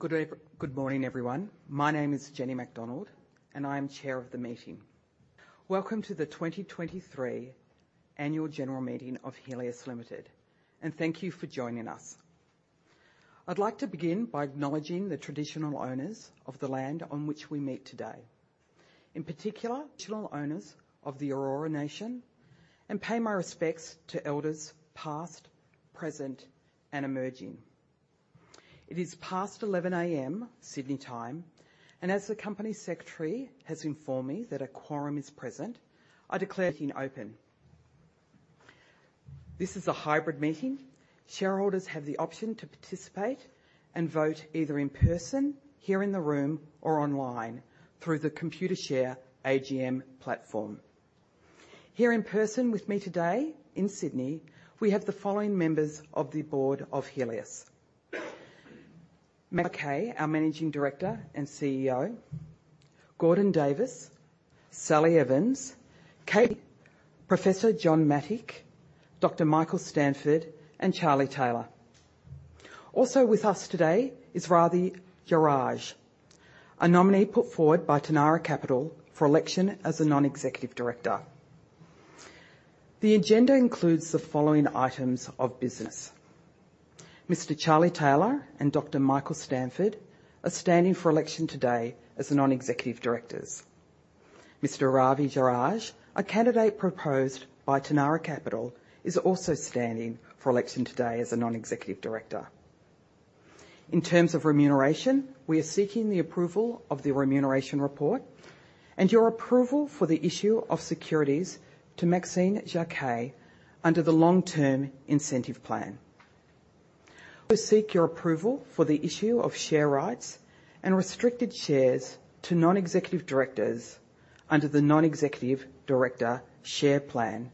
Good morning, everyone. My name is Jenny Macdonald, and I am Chair of the meeting. Welcome to the 2023 Annual General Meeting of Healius Limited, and thank you for joining us. I'd like to begin by acknowledging the traditional owners of the land on which we meet today. In particular, traditional owners of the Eora Nation, and pay my respects to elders past, present, and emerging. It is past 11 A.M., Sydney time, and as the company secretary has informed me that a quorum is present, I declare the meeting open. This is a hybrid meeting. Shareholders have the option to participate and vote either in person, here in the room, or online through the Computershare AGM platform. Here in person with me today in Sydney, we have the following members of the board of Healius: Maxine Jaquet, our Managing Director and CEO, Gordon Davis, Sally Evans, Kate McKenzie, Professor John Mattick, Dr. Michael Stanford, and Charlie Taylor. Also with us today is Ravi Jeyaraj, a nominee put forward by Tanarra Capital for election as a non-executive director. The agenda includes the following items of business. Mr. Charlie Taylor and Dr. Michael Stanford are standing for election today as the non-executive directors. Mr. Ravi Jeyaraj, a candidate proposed by Tanarra Capital, is also standing for election today as a non-executive director. In terms of remuneration, we are seeking the approval of the remuneration report and your approval for the issue of securities to Maxine Jaquet under the Long Term Incentive Plan. We seek your approval for the issue of share rights and restricted shares to non-executive directors under the Non-Executive Director Share Plan,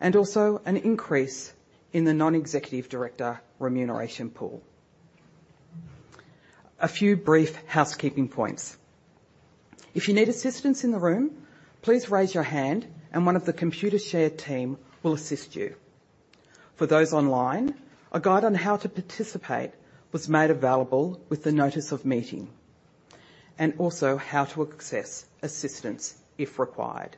and also an increase in the non-executive director remuneration pool. A few brief housekeeping points. If you need assistance in the room, please raise your hand and one of the Computershare team will assist you. For those online, a guide on how to participate was made available with the notice of meeting and also how to access assistance if required.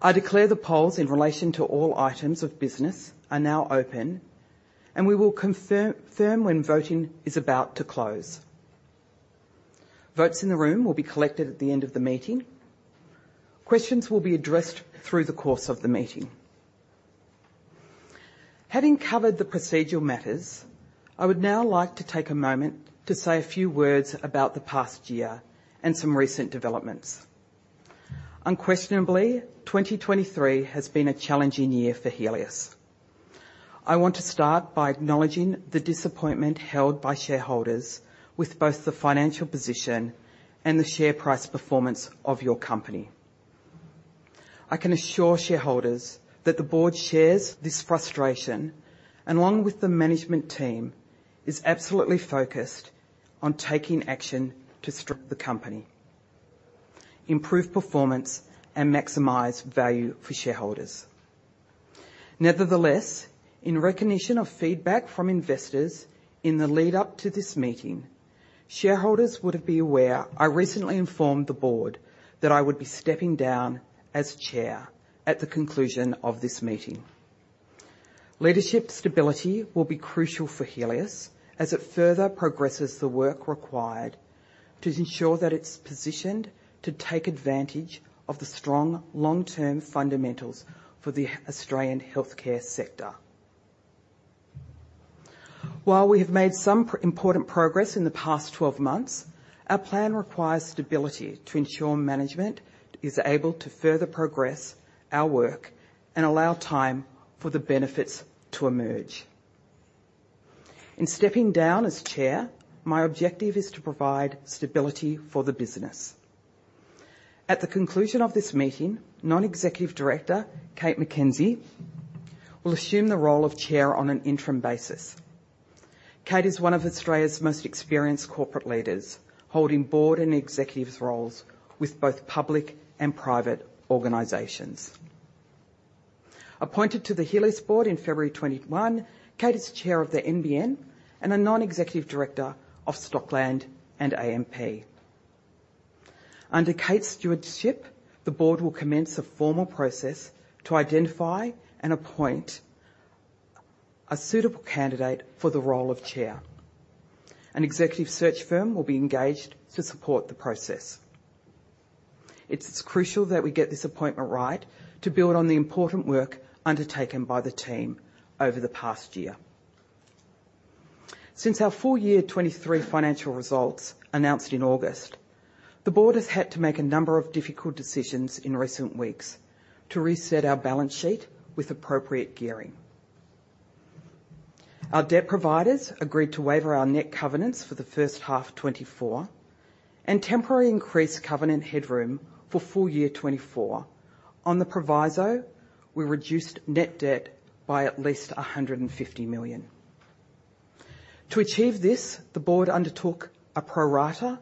I declare the polls in relation to all items of business are now open, and we will confirm, confirm when voting is about to close. Votes in the room will be collected at the end of the meeting. Questions will be addressed through the course of the meeting. Having covered the procedural matters, I would now like to take a moment to say a few words about the past year and some recent developments. Unquestionably, 2023 has been a challenging year for Healius. I want to start by acknowledging the disappointment held by shareholders with both the financial position and the share price performance of your company. I can assure shareholders that the board shares this frustration, and along with the management team, is absolutely focused on taking action to strengthen the company, improve performance, and maximize value for shareholders. Nevertheless, in recognition of feedback from investors in the lead up to this meeting, shareholders would have been aware, I recently informed the board that I would be stepping down as Chair at the conclusion of this meeting. Leadership stability will be crucial for Healius as it further progresses the work required to ensure that it's positioned to take advantage of the strong long-term fundamentals for the Australian healthcare sector. While we have made some important progress in the past 12 months, our plan requires stability to ensure management is able to further progress our work and allow time for the benefits to emerge. In stepping down as Chair, my objective is to provide stability for the business. At the conclusion of this meeting, Non-Executive Director Kate McKenzie will assume the role of Chair on an interim basis. Kate is one of Australia's most experienced corporate leaders, holding board and executive roles with both public and private organizations. Appointed to the Healius board in February 2021, Kate is Chair of the NBN and a Non-Executive Director of Stockland and AMP. Under Kate's stewardship, the board will commence a formal process to identify and appoint a suitable candidate for the role of Chair. An executive search firm will be engaged to support the process. It's crucial that we get this appointment right to build on the important work undertaken by the team over the past year. Since our full year 2023 financial results announced in August, the board has had to make a number of difficult decisions in recent weeks to reset our balance sheet with appropriate gearing. Our debt providers agreed to waive our net covenants for the first half of 2024 and temporarily increase covenant headroom for full year 2024. On the proviso, we reduced net debt by at least 150 million. To achieve this, the board undertook a pro rata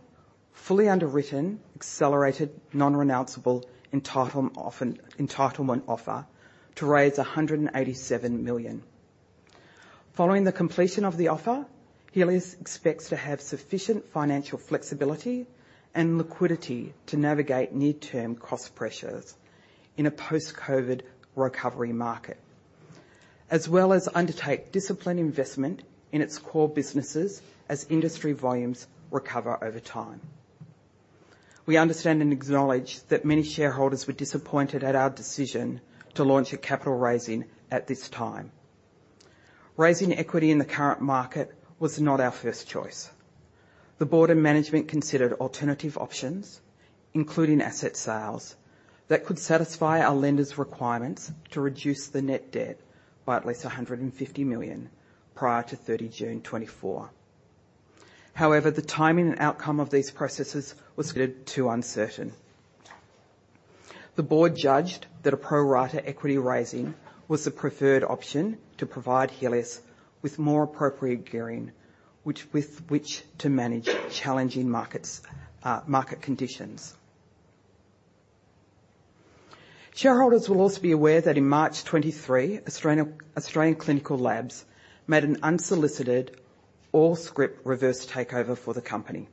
fully underwritten, accelerated, non-renounceable entitlement offer to raise 187 million. Following the completion of the offer, Healius expects to have sufficient financial flexibility and liquidity to navigate near-term cost pressures in a post-COVID recovery market, as well as undertake disciplined investment in its core businesses as industry volumes recover over time. We understand and acknowledge that many shareholders were disappointed at our decision to launch a capital raising at this time. Raising equity in the current market was not our first choice. The board and management considered alternative options, including asset sales, that could satisfy our lenders' requirements to reduce the net debt by at least 150 million prior to 30 June 2024. However, the timing and outcome of these processes was considered too uncertain. The board judged that a pro rata equity raising was the preferred option to provide Healius with more appropriate gearing, which, with which to manage challenging markets, market conditions. Shareholders will also be aware that in March 2023, Australian Clinical Labs made an unsolicited all-scrip reverse takeover for the company.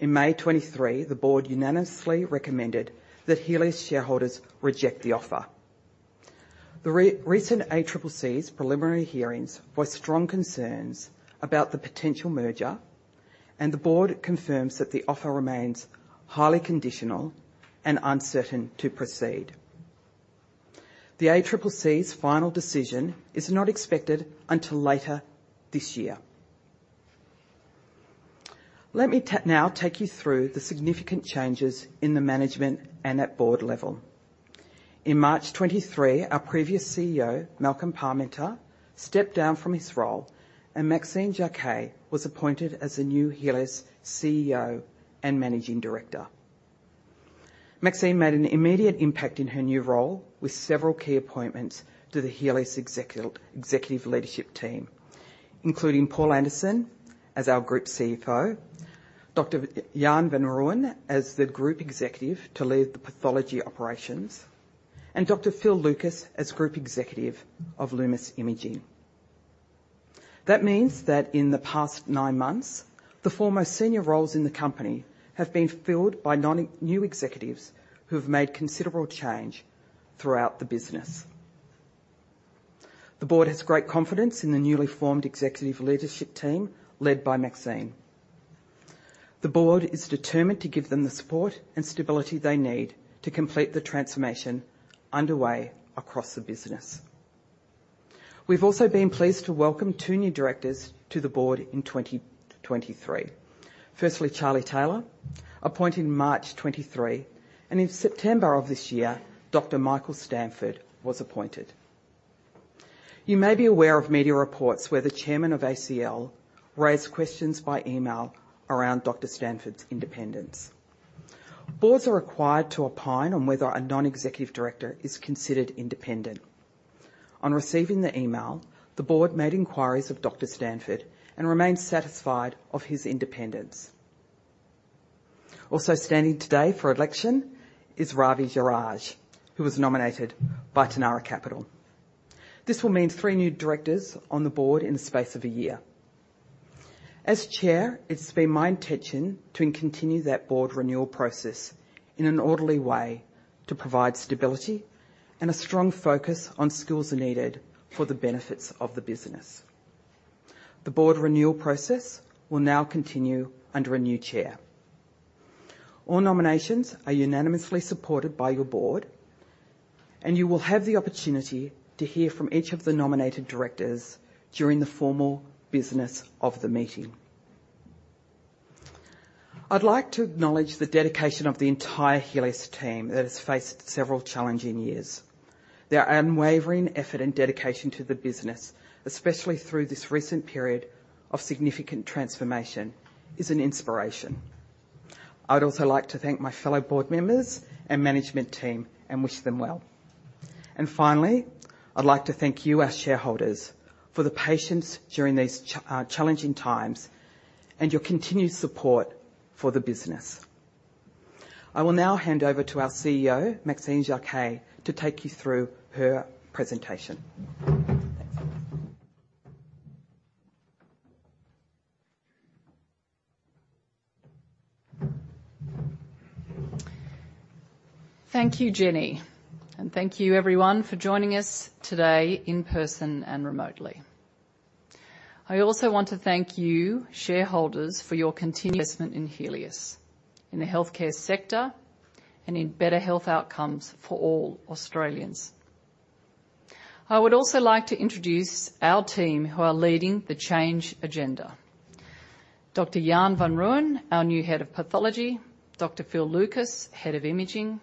In May 2023, the board unanimously recommended that Healius shareholders reject the offer. The recent ACCC's preliminary hearings voice strong concerns about the potential merger, and the board confirms that the offer remains highly conditional and uncertain to proceed. The ACCC's final decision is not expected until later this year. Let me now take you through the significant changes in the management and at board level. In March 2023, our previous CEO, Malcolm Parmenter, stepped down from his role, and Maxine Jaquet was appointed as the new Healius CEO and Managing Director. Maxine made an immediate impact in her new role with several key appointments to the Healius Executive Leadership Team, including Paul Anderson as our Group CFO, Dr. Jan van Rooyen as the Group Executive to lead the pathology operations, and Dr. Phil Lucas as Group Executive of Lumus Imaging. That means that in the past nine months, the four most senior roles in the company have been filled by new executives who have made considerable change throughout the business. The board has great confidence in the newly formed executive leadership team, led by Maxine. The board is determined to give them the support and stability they need to complete the transformation underway across the business. We've also been pleased to welcome two new directors to the board in 2023. Firstly, Charlie Taylor, appointed in March 2023, and in September of this year, Dr. Michael Stanford was appointed. You may be aware of media reports where the chairman of ACL raised questions by email around Dr. Stanford's independence. Boards are required to opine on whether a non-executive director is considered independent. On receiving the email, the board made inquiries of Dr. Stanford and remains satisfied of his independence. Also standing today for election is Ravi Jeyaraj, who was nominated by Tanarra Capital. This will mean three new directors on the board in the space of a year. As Chair, it's been my intention to continue that board renewal process in an orderly way, to provide stability and a strong focus on skills are needed for the benefits of the business. The board renewal process will now continue under a new chair. All nominations are unanimously supported by your board, and you will have the opportunity to hear from each of the nominated directors during the formal business of the meeting. I'd like to acknowledge the dedication of the entire Healius team that has faced several challenging years. Their unwavering effort and dedication to the business, especially through this recent period of significant transformation, is an inspiration. I would also like to thank my fellow board members and management team and wish them well. Finally, I'd like to thank you, our shareholders, for the patience during these challenging times and your continued support for the business. I will now hand over to our CEO, Maxine Jaquet, to take you through her presentation. Thank you. Thank you, Jenny, and thank you everyone for joining us today in person and remotely. I also want to thank you, shareholders, for your continued investment in Healius, in the healthcare sector, and in better health outcomes for all Australians. I would also like to introduce our team who are leading the change agenda. Dr. Jan van Rooyen, our new Head of Pathology, Dr. Phil Lucas, Head of Imaging,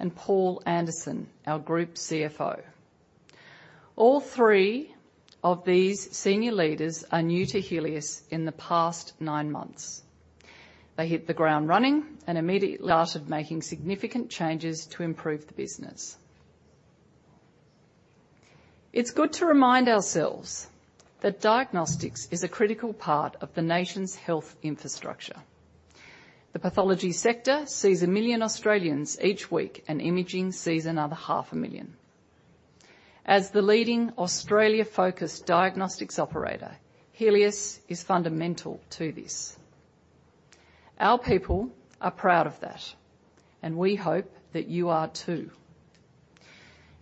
and Paul Anderson, our Group CFO. All three of these senior leaders are new to Healius in the past nine months. They hit the ground running and immediately started making significant changes to improve the business. It's good to remind ourselves that diagnostics is a critical part of the nation's health infrastructure. The pathology sector sees a million Australians each week, and imaging sees another half a million. As the leading Australia-focused diagnostics operator, Healius is fundamental to this. Our people are proud of that, and we hope that you are, too.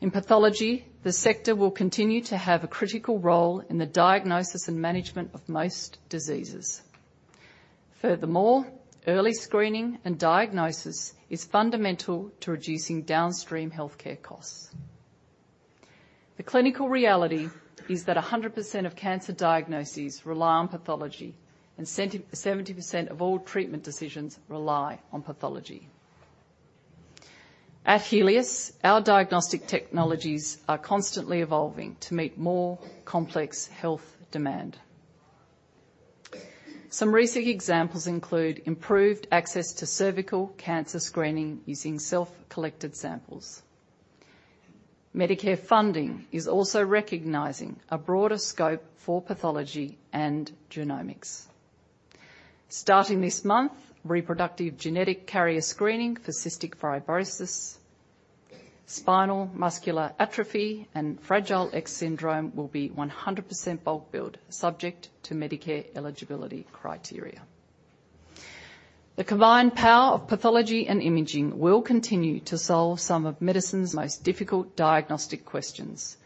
In pathology, the sector will continue to have a critical role in the diagnosis and management of most diseases. Furthermore, early screening and diagnosis is fundamental to reducing downstream healthcare costs. The clinical reality is that 100% of cancer diagnoses rely on pathology, and 70, 70% of all treatment decisions rely on pathology. At Healius, our diagnostic technologies are constantly evolving to meet more complex health demand. Some recent examples include: improved access to cervical cancer screening using self-collected samples. Medicare funding is also recognizing a broader scope for pathology and genomics. Starting this month, reproductive genetic carrier screening for cystic fibrosis, Spinal Muscular Atrophy, and Fragile X Syndrome will be 100% bulk billed, subject to Medicare eligibility criteria. The combined power of pathology and imaging will continue to solve some of medicine's most difficult diagnostic questions,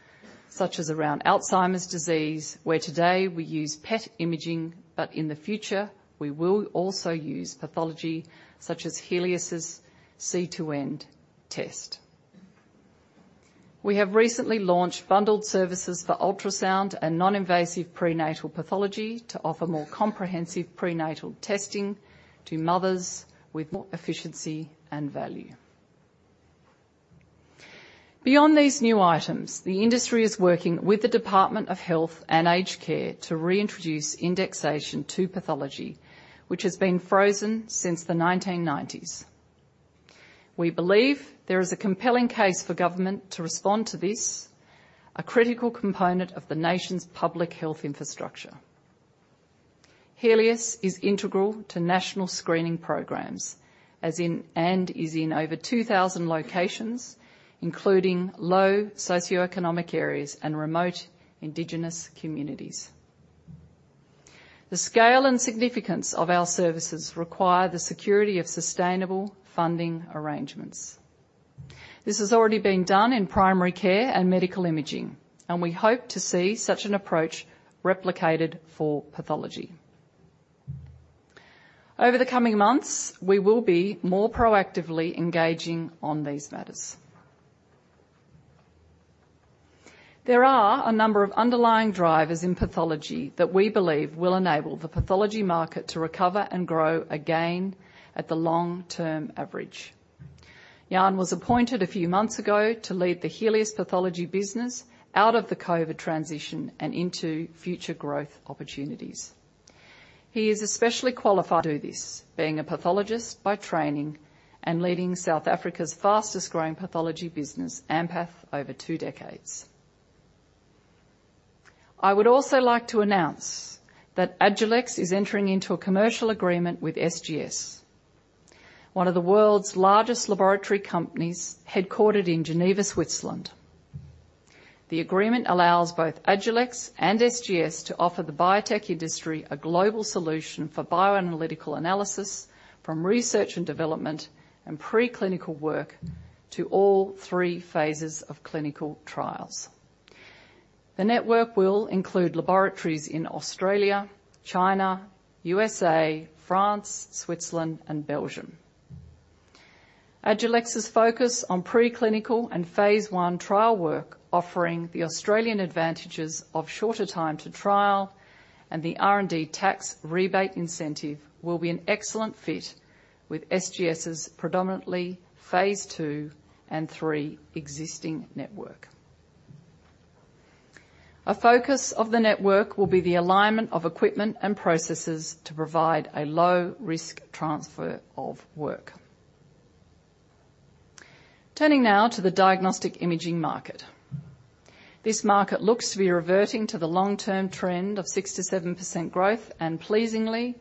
such as around Alzheimer's disease, where today we use PET imaging, but in the future, we will also use pathology, such as Healius's C2N test. We have recently launched bundled services for ultrasound and non-invasive prenatal pathology to offer more comprehensive prenatal testing to mothers with more efficiency and value. Beyond these new items, the industry is working with the Department of Health and Aged Care to reintroduce indexation to pathology, which has been frozen since the 1990s. We believe there is a compelling case for government to respond to this, a critical component of the nation's public health infrastructure. Healius is integral to national screening programs and is in over 2,000 locations, including low socioeconomic areas and remote indigenous communities. The scale and significance of our services require the security of sustainable funding arrangements. This has already been done in primary care and medical imaging, and we hope to see such an approach replicated for pathology. Over the coming months, we will be more proactively engaging on these matters. There are a number of underlying drivers in pathology that we believe will enable the pathology market to recover and grow again at the long-term average. Jan was appointed a few months ago to lead the Healius pathology business out of the COVID transition and into future growth opportunities. He is especially qualified to do this, being a pathologist by training and leading South Africa's fastest-growing pathology business, Ampath, over two decades. I would also like to announce that Agilex is entering into a commercial agreement with SGS, one of the world's largest laboratory companies, headquartered in Geneva, Switzerland. The agreement allows both Agilex and SGS to offer the biotech industry a global solution for bioanalytical analysis, from research and development and preclinical work to all three phases of clinical trials. The network will include laboratories in Australia, China, USA, France, Switzerland, and Belgium. Agilex's focus on preclinical and phase one trial work, offering the Australian advantages of shorter time to trial and the R&D tax rebate incentive, will be an excellent fit with SGS's predominantly phase two and phase three existing network. A focus of the network will be the alignment of equipment and processes to provide a low-risk transfer of work. Turning now to the diagnostic imaging market. This market looks to be reverting to the long-term trend of 6%-7% growth, and pleasingly,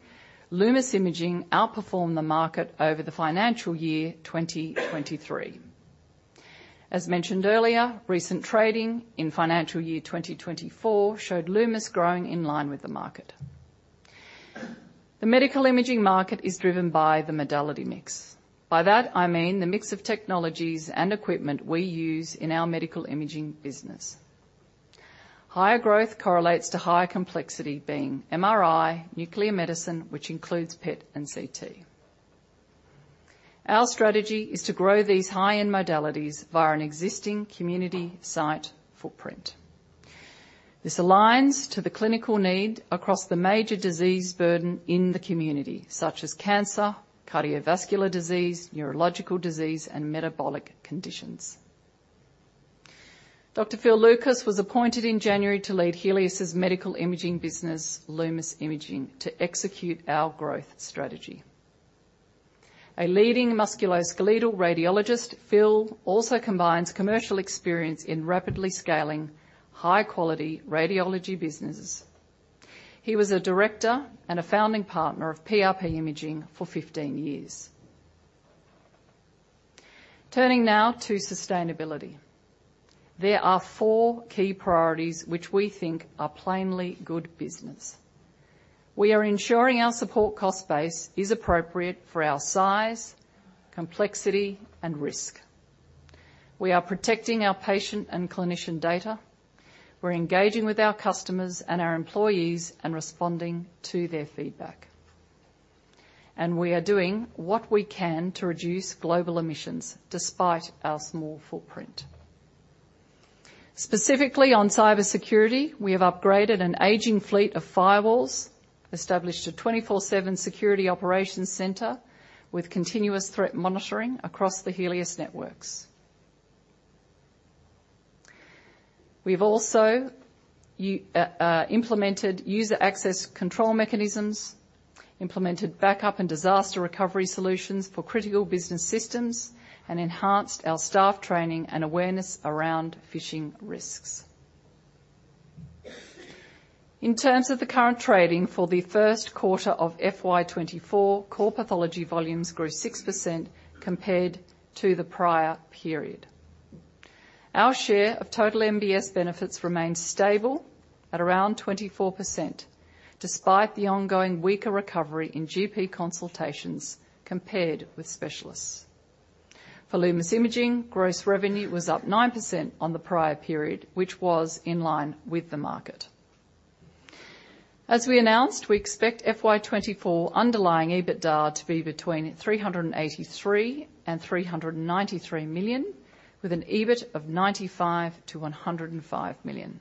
Lumus Imaging outperformed the market over the financial year 2023. As mentioned earlier, recent trading in financial year 2024 showed Lumus growing in line with the market. The medical imaging market is driven by the modality mix. By that, I mean the mix of technologies and equipment we use in our medical imaging business. Higher growth correlates to higher complexity, being MRI, nuclear medicine, which includes PET and CT. Our strategy is to grow these high-end modalities via an existing community site footprint. This aligns to the clinical need across the major disease burden in the community, such as cancer, cardiovascular disease, neurological disease, and metabolic conditions. Dr. Phil Lucas was appointed in January to lead Healius's medical imaging business, Lumus Imaging, to execute our growth strategy. A leading musculoskeletal radiologist, Phil also combines commercial experience in rapidly scaling high-quality radiology businesses. He was a director and a founding partner of PRP Imaging for 15 years. Turning now to sustainability. There are four key priorities which we think are plainly good business. We are ensuring our support cost base is appropriate for our size, complexity, and risk. We are protecting our patient and clinician data. We're engaging with our customers and our employees and responding to their feedback. And we are doing what we can to reduce global emissions despite our small footprint. Specifically, on cybersecurity, we have upgraded an aging fleet of firewalls, established a 24/7 security operations center with continuous threat monitoring across the Healius networks. We've also implemented user access control mechanisms, implemented backup and disaster recovery solutions for critical business systems, and enhanced our staff training and awareness around phishing risks. In terms of the current trading for the first quarter of FY 2024, core pathology volumes grew 6% compared to the prior period. Our share of total MBS benefits remained stable at around 24%, despite the ongoing weaker recovery in GP consultations compared with specialists. For Lumus Imaging, gross revenue was up 9% on the prior period, which was in line with the market. As we announced, we expect FY 2024 underlying EBITDA to be between 383 million and 393 million, with an EBIT of 95 million to 105 million.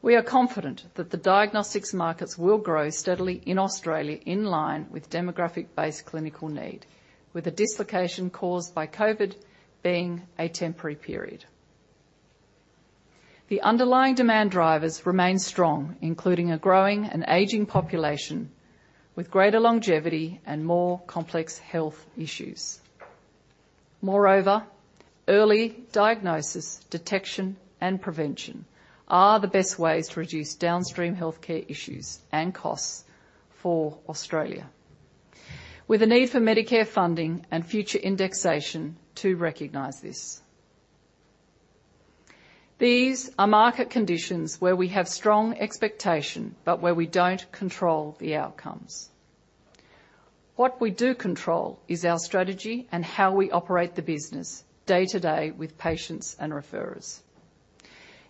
We are confident that the diagnostics markets will grow steadily in Australia, in line with demographic-based clinical need, with a dislocation caused by COVID being a temporary period. The underlying demand drivers remain strong, including a growing and aging population with greater longevity and more complex health issues. Moreover, early diagnosis, detection, and prevention are the best ways to reduce downstream healthcare issues and costs for Australia, with a need for Medicare funding and future indexation to recognize this. These are market conditions where we have strong expectation, but where we don't control the outcomes. What we do control is our strategy and how we operate the business day-to-day with patients and referrers.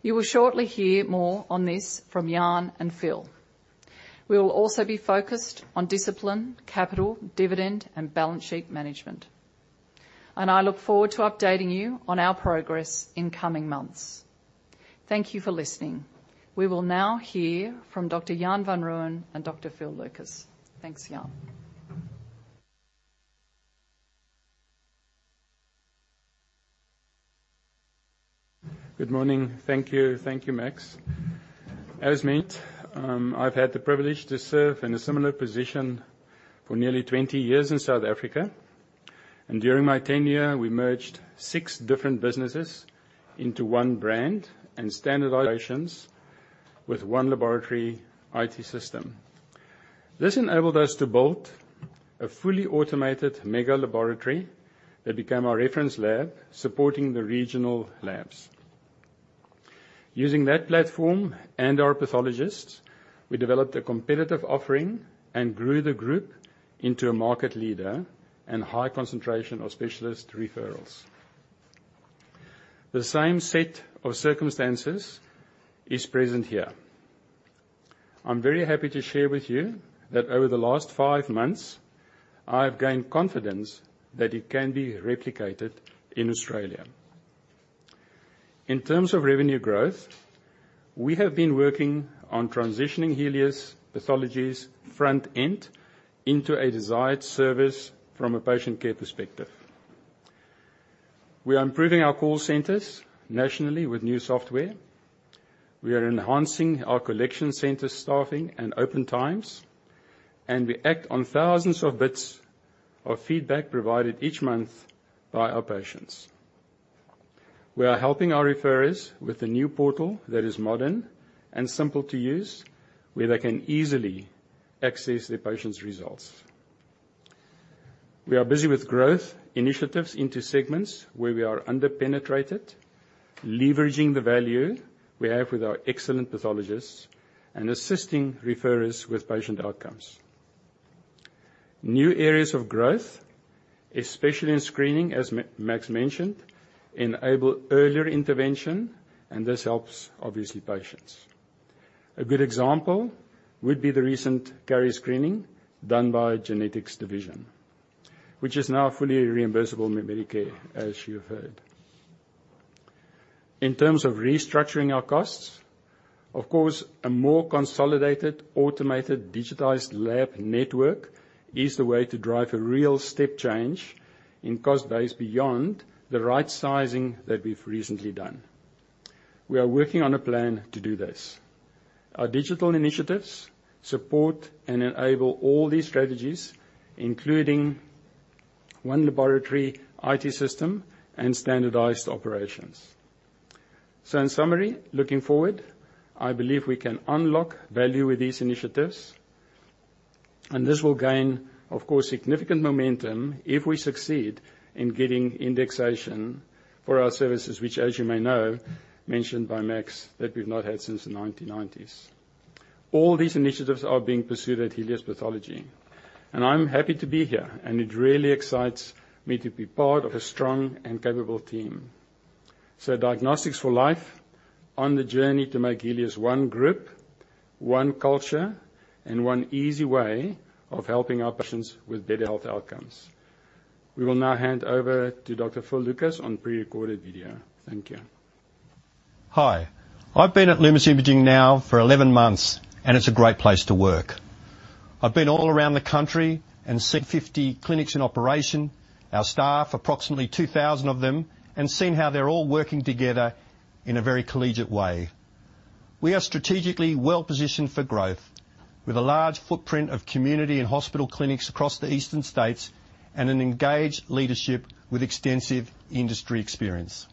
You will shortly hear more on this from Jan and Phil. We will also be focused on discipline, capital, dividend, and balance sheet management, and I look forward to updating you on our progress in coming months. Thank you for listening. We will now hear from Dr. Jan van Rooyen and Dr. Phil Lucas. Thanks, Jan. Good morning. Thank you. Thank you, Max. As mentioned, I've had the privilege to serve in a similar position for nearly 20 years in South Africa, and during my tenure, we merged 6 different businesses into one brand and standard operations with one laboratory IT system. This enabled us to build a fully automated mega laboratory that became our reference lab, supporting the regional labs. Using that platform and our pathologists, we developed a competitive offering and grew the group into a market leader and high concentration of specialist referrals. The same set of circumstances is present here. I'm very happy to share with you that over the last five months, I've gained confidence that it can be replicated in Australia. In terms of revenue growth, we have been working on transitioning Healius Pathology's front end into a desired service from a patient care perspective. We are improving our call centers nationally with new software. We are enhancing our collection center staffing and open times, and we act on thousands of bits of feedback provided each month by our patients. We are helping our referrers with a new portal that is modern and simple to use, where they can easily access their patients' results. We are busy with growth initiatives into segments where we are under-penetrated, leveraging the value we have with our excellent pathologists and assisting referrers with patient outcomes. New areas of growth, especially in screening, as Max mentioned, enable earlier intervention, and this helps, obviously, patients. A good example would be the recent carrier screening done by genetics division, which is now fully reimbursable with Medicare, as you've heard. In terms of restructuring our costs, of course, a more consolidated, automated, digitized lab network is the way to drive a real step change in cost base beyond the right sizing that we've recently done. We are working on a plan to do this. Our digital initiatives support and enable all these strategies, including One Laboratory IT system and standardized operations. So in summary, looking forward, I believe we can unlock value with these initiatives, and this will gain, of course, significant momentum if we succeed in getting indexation for our services, which, as you may know, mentioned by Max, that we've not had since the 1990s. All these initiatives are being pursued at Healius Pathology, and I'm happy to be here, and it really excites me to be part of a strong and capable team. Diagnostics for Life on the journey to make Healius one group, one culture, and one easy way of helping our patients with better health outcomes. We will now hand over to Dr. Phil Lucas on pre-recorded video. Thank you. Hi. I've been at Lumus Imaging now for 11 months, and it's a great place to work. I've been all around the country and seen 50 clinics in operation, our staff, approximately 2,000 of them, and seen how they're all working together in a very collegiate way. We are strategically well-positioned for growth, with a large footprint of community and hospital clinics across the eastern states and an engaged leadership with extensive industry experience.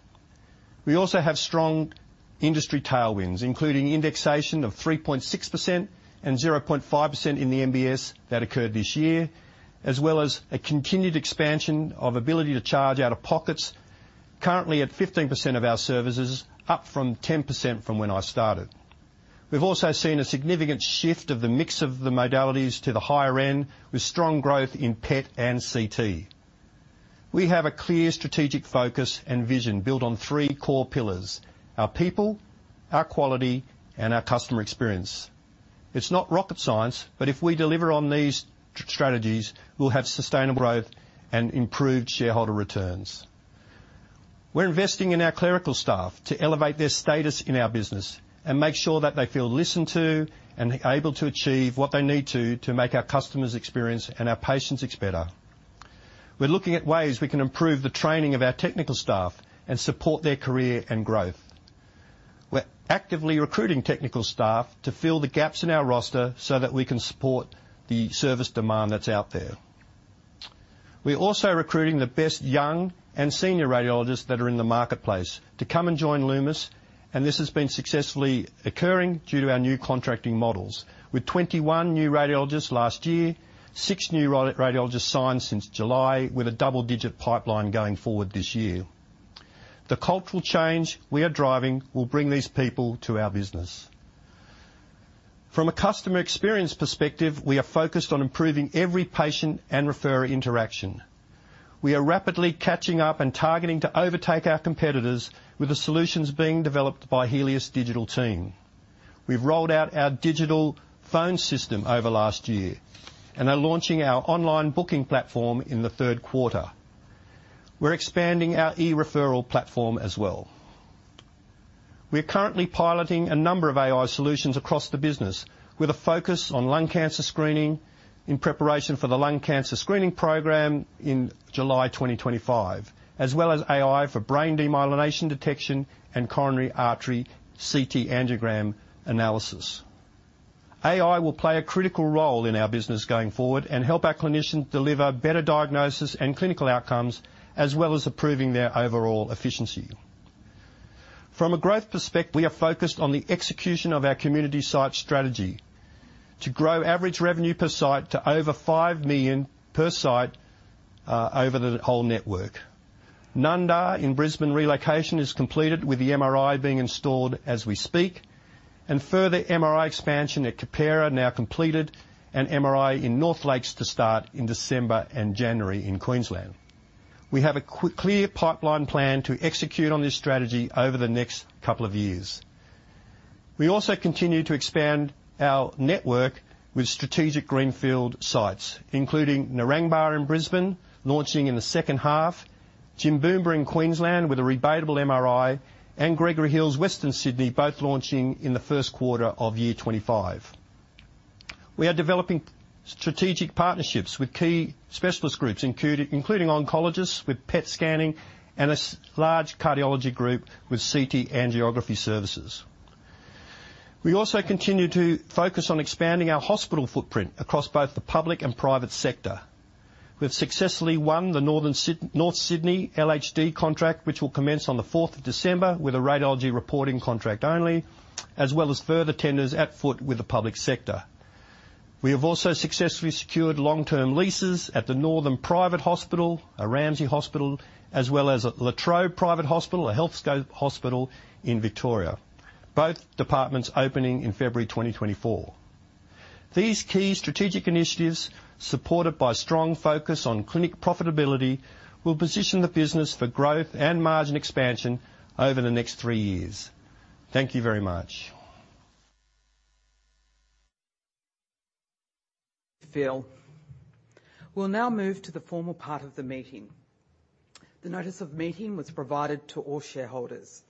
We also have strong industry tailwinds, including indexation of 3.6% and 0.5% in the MBS that occurred this year, as well as a continued expansion of ability to charge out-of-pockets, currently at 15% of our services, up from 10% from when I started. We've also seen a significant shift of the mix of the modalities to the higher end, with strong growth in PET and CT. We have a clear strategic focus and vision built on three core pillars: our people, our quality, and our customer experience. It's not rocket science, but if we deliver on these strategies, we'll have sustainable growth and improved shareholder returns. We're investing in our clerical staff to elevate their status in our business and make sure that they feel listened to and able to achieve what they need to, to make our customers' experience and our patients' better. We're looking at ways we can improve the training of our technical staff and support their career and growth. We're actively recruiting technical staff to fill the gaps in our roster so that we can support the service demand that's out there. We're also recruiting the best young and senior radiologists that are in the marketplace to come and join Lumus, and this has been successfully occurring due to our new contracting models. With 21 new radiologists last year, six new radiologists signed since July, with a double-digit pipeline going forward this year. The cultural change we are driving will bring these people to our business. From a customer experience perspective, we are focused on improving every patient and referrer interaction. We are rapidly catching up and targeting to overtake our competitors with the solutions being developed by Healius' digital team. We've rolled out our digital phone system over last year and are launching our online booking platform in the third quarter. We're expanding our e-referral platform as well. We are currently piloting a number of AI solutions across the business, with a focus on lung cancer screening in preparation for the lung cancer screening program in July 2025, as well as AI for brain demyelination detection and coronary artery CT angiogram analysis. AI will play a critical role in our business going forward and help our clinicians deliver better diagnosis and clinical outcomes, as well as improving their overall efficiency. From a growth perspective, we are focused on the execution of our community site strategy to grow average revenue per site to over 5 million per site, over the whole network. Nundah in Brisbane, relocation is completed, with the MRI being installed as we speak, and further MRI expansion at Keperra now completed, and MRI in North Lakes to start in December and January in Queensland. We have a clear pipeline plan to execute on this strategy over the next couple of years. We also continue to expand our network with strategic greenfield sites, including Narangba in Brisbane, launching in the second half, Jimboomba in Queensland with a rebatable MRI, and Gregory Hills, Western Sydney, both launching in the first quarter of 2025. We are developing strategic partnerships with key specialist groups, including oncologists with PET scanning and a large cardiology group with CT angiography services. We also continue to focus on expanding our hospital footprint across both the public and private sector. We've successfully won the Northern Sydney LHD contract, which will commence on the fourth of December with a radiology reporting contract only, as well as further tenders at foot with the public sector. We have also successfully secured long-term leases at the Northern Private Hospital, a Ramsay hospital, as well as at Latrobe Private Hospital, a Healthscope hospital in Victoria, both departments opening in February 2024. These key strategic initiatives, supported by strong focus on clinic profitability, will position the business for growth and margin expansion over the next three years. Thank you very much. Phil. We'll now move to the formal part of the meeting. The notice of meeting was provided to all shareholders.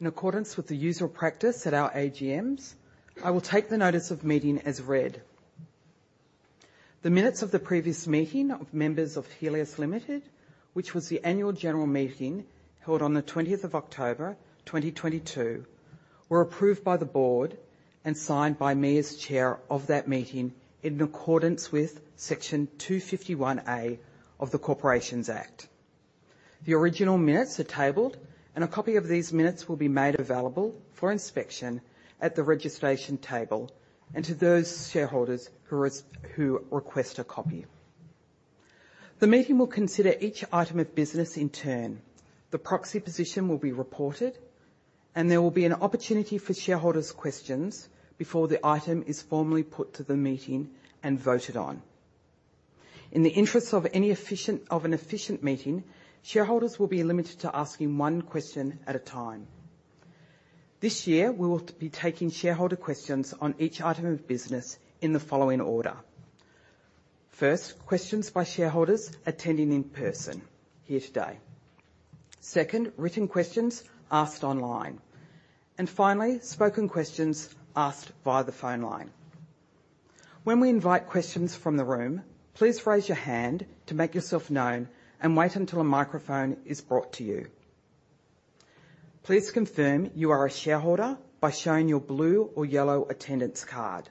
In accordance with the usual practice at our AGMs, I will take the notice of meeting as read. The minutes of the previous meeting of members of Healius Limited, which was the annual general meeting held on the 20th of October, 2022, were approved by the board and signed by me as chair of that meeting in accordance with Section 251A of the Corporations Act. The original minutes are tabled, and a copy of these minutes will be made available for inspection at the registration table and to those shareholders who request a copy. The meeting will consider each item of business in turn. The proxy position will be reported, and there will be an opportunity for shareholders' questions before the item is formally put to the meeting and voted on. In the interest of an efficient meeting, shareholders will be limited to asking one question at a time. This year, we will be taking shareholder questions on each item of business in the following order. First, questions by shareholders attending in person here today. Second, written questions asked online. And finally, spoken questions asked via the phone line. When we invite questions from the room, please raise your hand to make yourself known and wait until a microphone is brought to you. Please confirm you are a shareholder by showing your blue or yellow attendance card.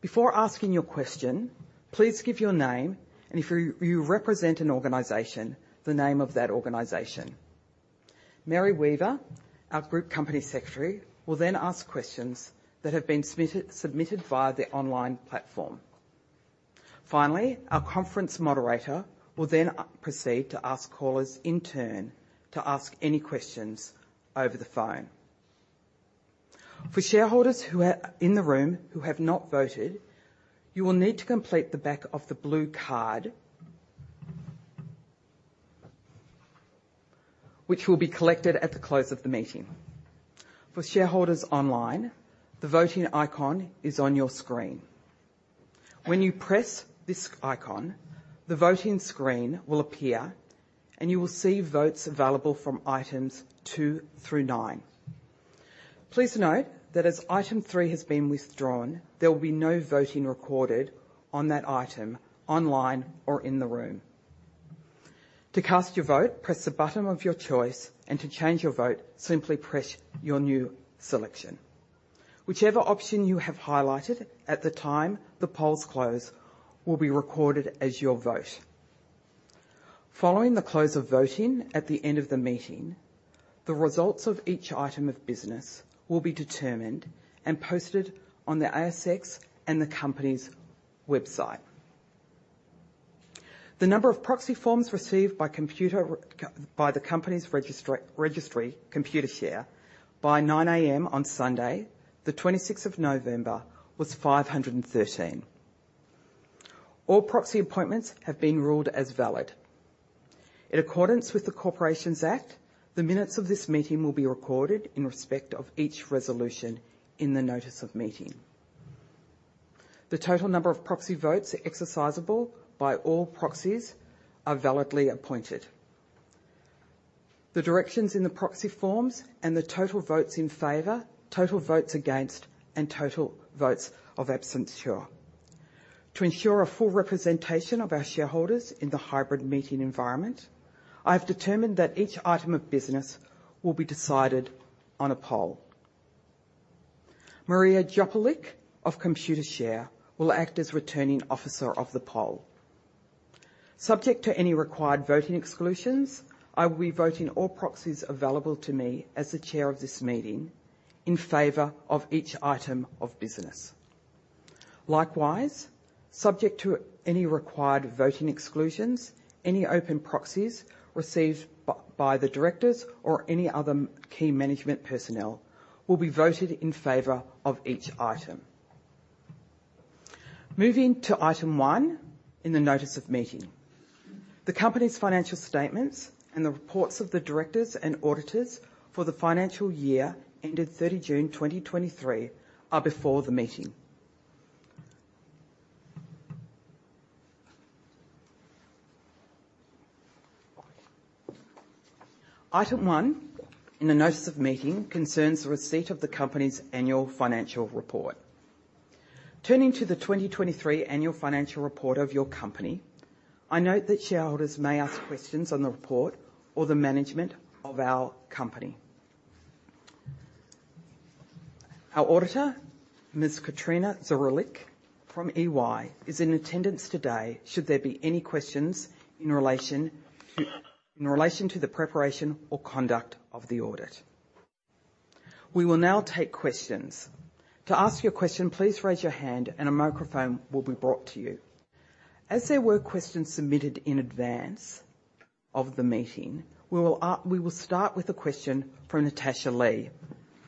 Before asking your question, please give your name, and if you represent an organization, the name of that organization. Mary Weaver, our Group Company Secretary, will then ask questions that have been submitted via the online platform. Finally, our conference moderator will then proceed to ask callers in turn to ask any questions over the phone. For shareholders who are in the room who have not voted, you will need to complete the back of the blue card, which will be collected at the close of the meeting. For shareholders online, the voting icon is on your screen. When you press this icon, the voting screen will appear, and you will see votes available from items two through nine. Please note that as item three has been withdrawn, there will be no voting recorded on that item, online or in the room. To cast your vote, press the button of your choice, and to change your vote, simply press your new selection. Whichever option you have highlighted at the time the polls close will be recorded as your vote. Following the close of voting at the end of the meeting, the results of each item of business will be determined and posted on the ASX and the company's website. The number of proxy forms received by the company's registry, Computershare, by 9:00 A.M. on Sunday, the twenty-sixth of November, was 513. All proxy appointments have been ruled as valid. In accordance with the Corporations Act, the minutes of this meeting will be recorded in respect of each resolution in the notice of meeting. The total number of proxy votes exercisable by all proxies are validly appointed. The directions in the proxy forms and the total votes in favor, total votes against, and total votes of abstentions. To ensure a full representation of our shareholders in the hybrid meeting environment, I've determined that each item of business will be decided on a poll. Maria Djupolic of Computershare will act as Returning Officer of the poll. Subject to any required voting exclusions, I will be voting all proxies available to me as the chair of this meeting in favor of each item of business. Likewise, subject to any required voting exclusions, any open proxies received by the directors or any other key management personnel will be voted in favor of each item. Moving to item one in the notice of meeting. The company's financial statements and the reports of the directors and auditors for the financial year ended 30 June 2023 are before the meeting. Item one in the notice of meeting concerns the receipt of the company's annual financial report. Turning to the 2023 annual financial report of your company, I note that shareholders may ask questions on the report or the management of our company. Our auditor, Ms. Katrina Zdrilic from EY, is in attendance today should there be any questions in relation to the preparation or conduct of the audit. We will now take questions. To ask your question, please raise your hand and a microphone will be brought to you. As there were questions submitted in advance of the meeting, we will start with a question from Natasha Lee.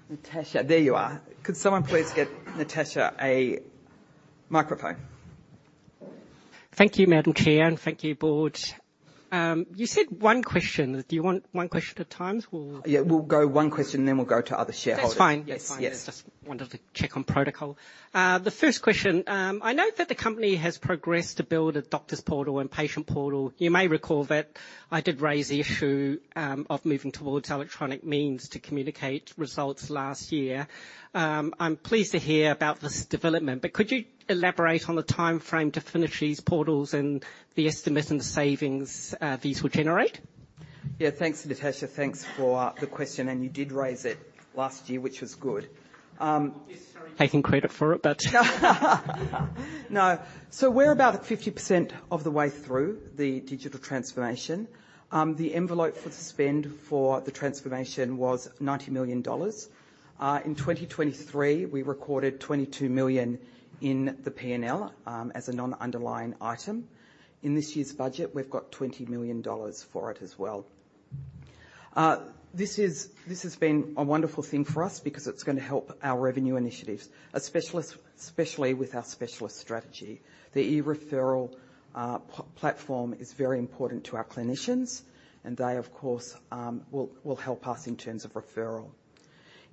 Natasha, there you are. Could someone please get Natasha a microphone? Thank you, Madam Chair, and thank you, Board. You said one question. Do you want one question at a time or- Yeah, we'll go one question, and then we'll go to other shareholders. That's fine. Yes. That's fine. Just wanted to check on protocol. The first question, I note that the company has progressed to build a doctor's portal and patient portal. You may recall that I did raise the issue of moving towards electronic means to communicate results last year.... I'm pleased to hear about this development, but could you elaborate on the timeframe to finish these portals and the estimates and the savings these will generate? Yeah. Thanks, Natasha. Thanks for the question, and you did raise it last year, which was good. Yes, sorry- Taking credit for it, but No. So we're about 50% of the way through the digital transformation. The envelope for the spend for the transformation was 90 million dollars. In 2023, we recorded 22 million in the P&L, as a non-underlying item. In this year's budget, we've got 20 million dollars for it as well. This has been a wonderful thing for us because it's gonna help our revenue initiatives, especially, especially with our specialist strategy. The e-referral platform is very important to our clinicians, and they, of course, will help us in terms of referral.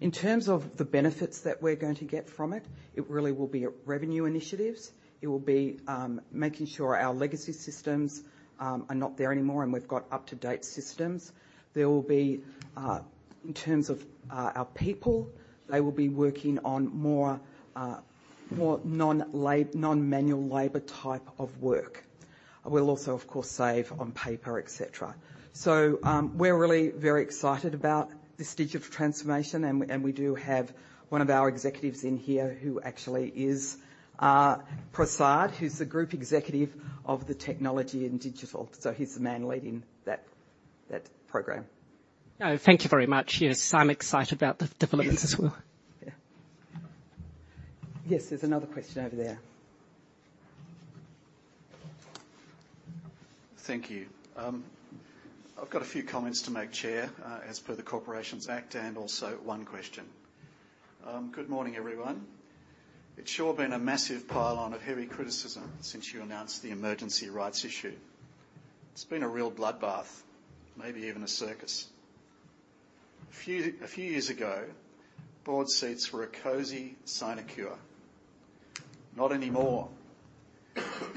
In terms of the benefits that we're going to get from it, it really will be revenue initiatives. It will be making sure our legacy systems are not there anymore, and we've got up-to-date systems. There will be, in terms of, our people, they will be working on more, more non-lab, non-manual labor type of work. We'll also, of course, save on paper, et cetera. So, we're really very excited about this digital transformation, and we, and we do have one of our executives in here who actually is, Prasad, who's the Group Executive of the Technology and Digital. So he's the man leading that program. Oh, thank you very much. Yes, I'm excited about the developments as well. Yeah. Yes, there's another question over there. Thank you. I've got a few comments to make, Chair, as per the Corporations Act, and also one question. Good morning, everyone. It's sure been a massive pile-on of heavy criticism since you announced the emergency rights issue. It's been a real bloodbath, maybe even a circus. A few years ago, board seats were a cozy sinecure. Not anymore.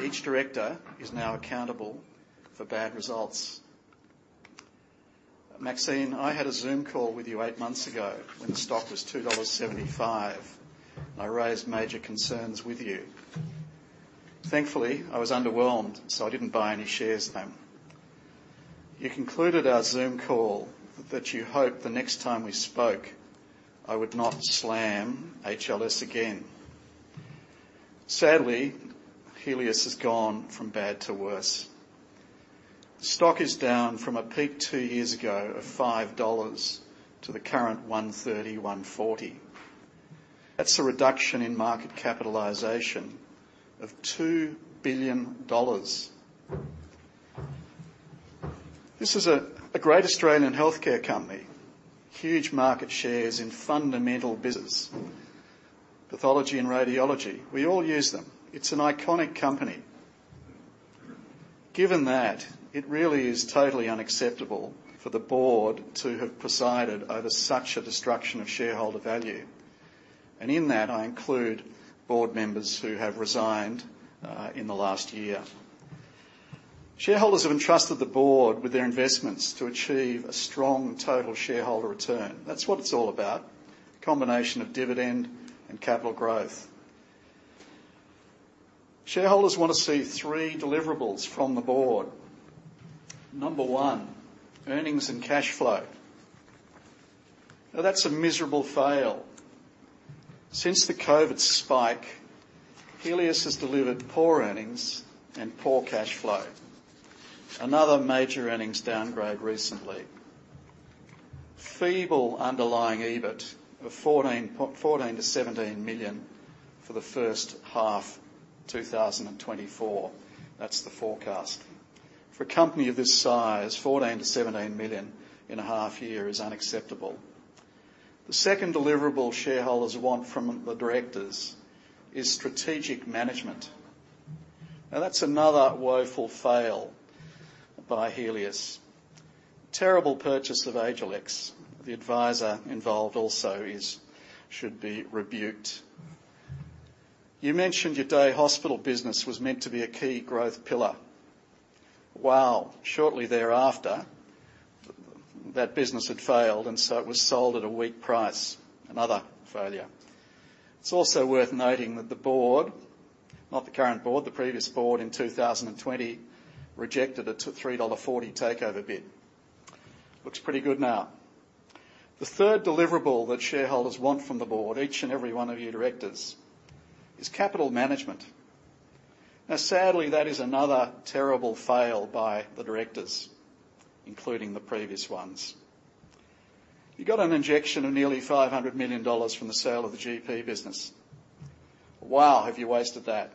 Each director is now accountable for bad results. Maxine, I had a Zoom call with you eight months ago when the stock was 2.75 dollars, and I raised major concerns with you. Thankfully, I was underwhelmed, so I didn't buy any shares then. You concluded our Zoom call that you hoped the next time we spoke, I would not slam HLS again. Sadly, Healius has gone from bad to worse. Stock is down from a peak two years ago of 5 dollars to the current 1.30-1.40. That's a reduction in market capitalization of 2 billion dollars. This is a great Australian healthcare company, huge market shares in fundamental business, pathology and radiology. We all use them. It's an iconic company. Given that, it really is totally unacceptable for the board to have presided over such a destruction of shareholder value, and in that, I include board members who have resigned in the last year. Shareholders have entrusted the board with their investments to achieve a strong total shareholder return. That's what it's all about, combination of dividend and capital growth. Shareholders want to see three deliverables from the board. Number one, earnings and cash flow. Now, that's a miserable fail. Since the COVID spike, Healius has delivered poor earnings and poor cash flow. Another major earnings downgrade recently. Feeble underlying EBIT of 14-17 million for the first half, 2024. That's the forecast. For a company of this size, 14-17 million in a half year is unacceptable. The second deliverable shareholders want from the directors is strategic management, and that's another woeful fail by Healius. Terrible purchase of Agilex. The advisor involved also is, should be rebuked. You mentioned your day hospital business was meant to be a key growth pillar. Well, shortly thereafter, that business had failed, and so it was sold at a weak price, another failure. It's also worth noting that the board, not the current board, the previous board in 2020, rejected a three dollar and forty takeover bid. Looks pretty good now. The third deliverable that shareholders want from the board, each and every one of you directors, is capital management. Now, sadly, that is another terrible fail by the directors, including the previous ones. You got an injection of nearly 500 million dollars from the sale of the GP business. Wow, have you wasted that!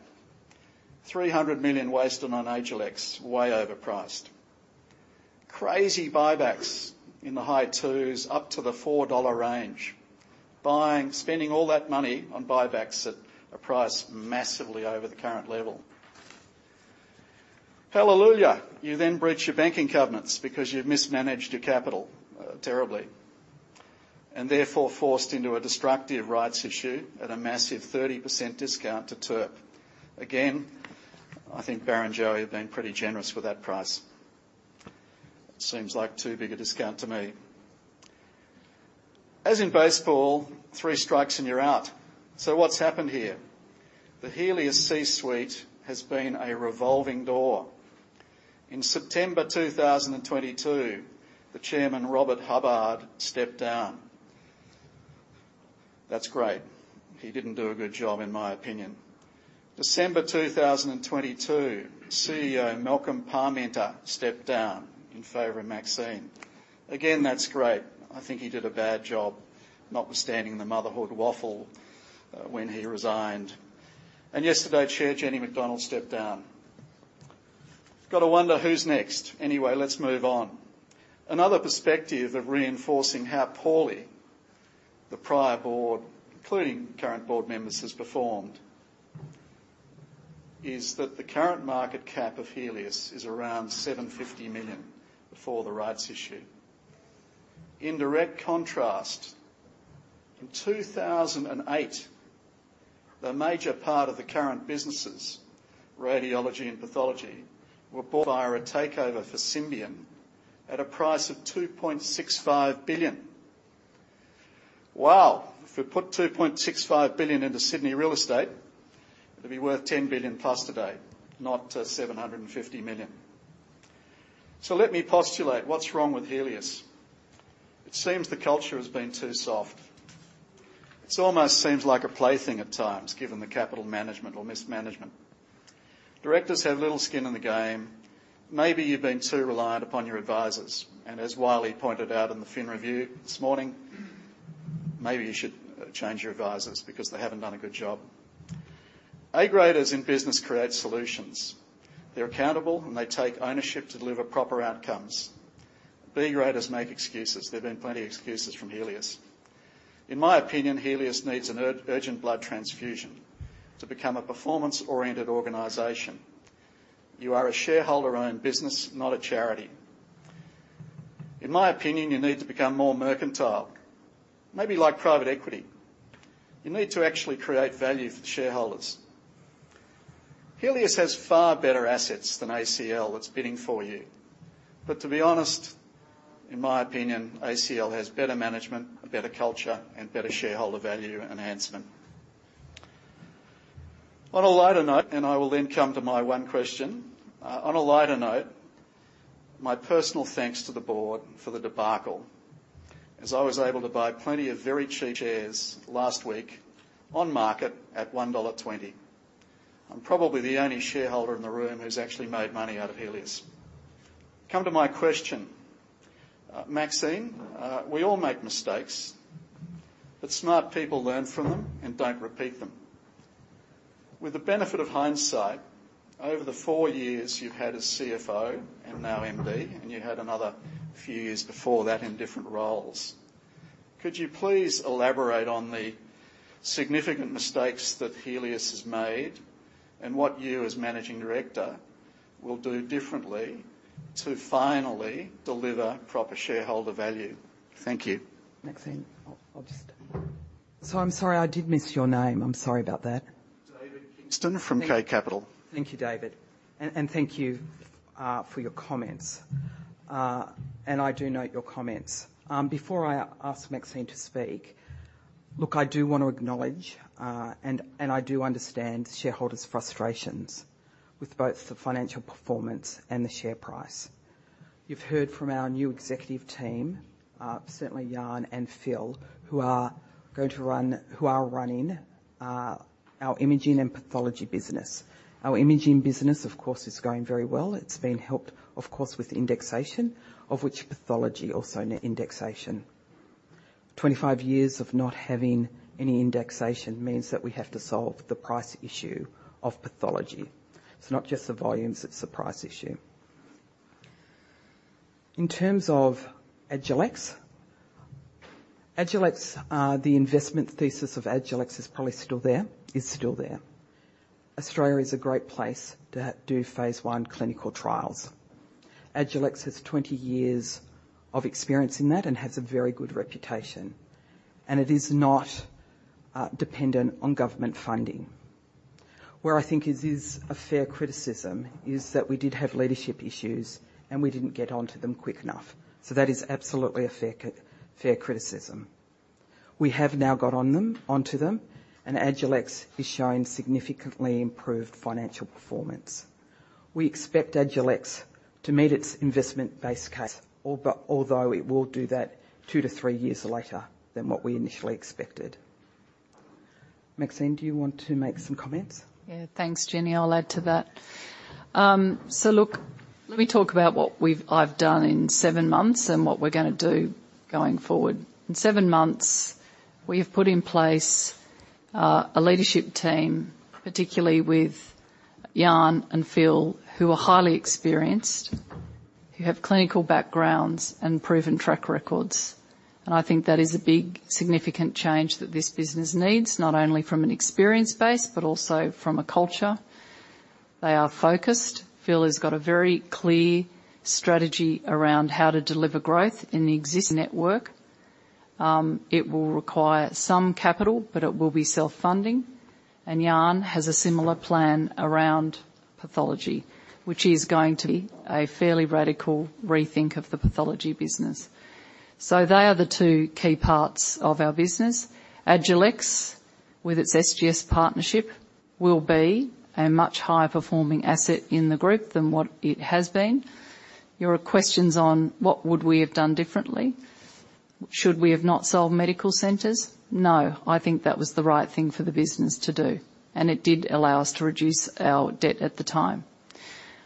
300 million wasted on Agilex, way overpriced. Crazy buybacks in the high 2s, up to the 4 dollar range. Buying, spending all that money on buybacks at a price massively over the current level. Hallelujah! You then breach your banking covenants because you've mismanaged your capital, terribly, and therefore forced into a destructive rights issue at a massive 30% discount to TERP. Again, I think Barrenjoey have been pretty generous with that price. Seems like too big a discount to me. As in baseball, three strikes and you're out, so what's happened here? The Healius C-suite has been a revolving door. In September 2022, the Chairman, Robert Hubbard, stepped down. That's great. He didn't do a good job, in my opinion. December 2022, CEO Malcolm Parmenter stepped down in favor of Maxine. Again, that's great. I think he did a bad job, notwithstanding the motherhood waffle, when he resigned. And yesterday, Chair Jenny Macdonald stepped down. Got to wonder who's next. Anyway, let's move on. Another perspective of reinforcing how poorly the prior board, including current board members, has performed, is that the current market cap of Healius is around 750 million before the rights issue. In direct contrast, in 2008, the major part of the current businesses, radiology and pathology, were bought via a takeover for Symbion at a price of AUD 2.65 billion. Wow! If we put AUD 2.65 billion into Sydney real estate, it'd be worth 10 billion+ today, not 750 million. So let me postulate what's wrong with Healius. It seems the culture has been too soft. It almost seems like a plaything at times, given the capital management or mismanagement. Directors have little skin in the game. Maybe you've been too reliant upon your advisors, and as Wylie pointed out in the Fin Review this morning, maybe you should change your advisors because they haven't done a good job. A-graders in business create solutions. They're accountable, and they take ownership to deliver proper outcomes. B-graders make excuses. There have been plenty of excuses from Healius. In my opinion, Healius needs an urgent blood transfusion to become a performance-oriented organization. You are a shareholder-owned business, not a charity. In my opinion, you need to become more mercantile, maybe like private equity. You need to actually create value for the shareholders. Healius has far better assets than ACL that's bidding for you. But to be honest, in my opinion, ACL has better management, a better culture, and better shareholder value enhancement. On a lighter note, and I will then come to my one question. On a lighter note, my personal thanks to the board for the debacle, as I was able to buy plenty of very cheap shares last week on market at 1.20 dollar. I'm probably the only shareholder in the room who's actually made money out of Healius. Come to my question. Maxine, we all make mistakes, but smart people learn from them and don't repeat them. With the benefit of hindsight, over the four years you've had as CFO and now MD, and you had another few years before that in different roles, could you please elaborate on the significant mistakes that Healius has made and what you, as Managing Director, will do differently to finally deliver proper shareholder value? Thank you. Maxine, so I'm sorry, I did miss your name. I'm sorry about that. David Kingston from K Capital. Thank you, David. And thank you for your comments. And I do note your comments. Before I ask Maxine to speak, look, I do want to acknowledge, and I do understand shareholders' frustrations with both the financial performance and the share price. You've heard from our new executive team, certainly Jan and Phil, who are running our imaging and pathology business. Our imaging business, of course, is going very well. It's been helped, of course, with indexation, of which pathology also net indexation. 25 years of not having any indexation means that we have to solve the price issue of pathology. It's not just the volumes, it's the price issue. In terms of Agilex, Agilex, the investment thesis of Agilex is probably still there, is still there. Australia is a great place to do Phase I clinical trials. Agilex has 20 years of experience in that and has a very good reputation, and it is not dependent on government funding. Where I think it is a fair criticism is that we did have leadership issues, and we didn't get onto them quick enough. So that is absolutely a fair criticism. We have now got on them, onto them, and Agilex is showing significantly improved financial performance. We expect Agilex to meet its investment base case, although it will do that 2-3 years later than what we initially expected. Maxine, do you want to make some comments? Yeah. Thanks, Jenny. I'll add to that. So look, let me talk about what I've done in seven months and what we're gonna do going forward. In seven months, we have put in place a leadership team, particularly with Jan and Phil, who are highly experienced, who have clinical backgrounds and proven track records. And I think that is a big, significant change that this business needs, not only from an experience base, but also from a culture. They are focused. Phil has got a very clear strategy around how to deliver growth in the existing network. It will require some capital, but it will be self-funding. And Jan has a similar plan around pathology, which is going to be a fairly radical rethink of the pathology business. So they are the two key parts of our business. Agilex, with its SGS partnership, will be a much higher performing asset in the group than what it has been. There were questions on what would we have done differently? Should we have not sold medical centers? No, I think that was the right thing for the business to do, and it did allow us to reduce our debt at the time.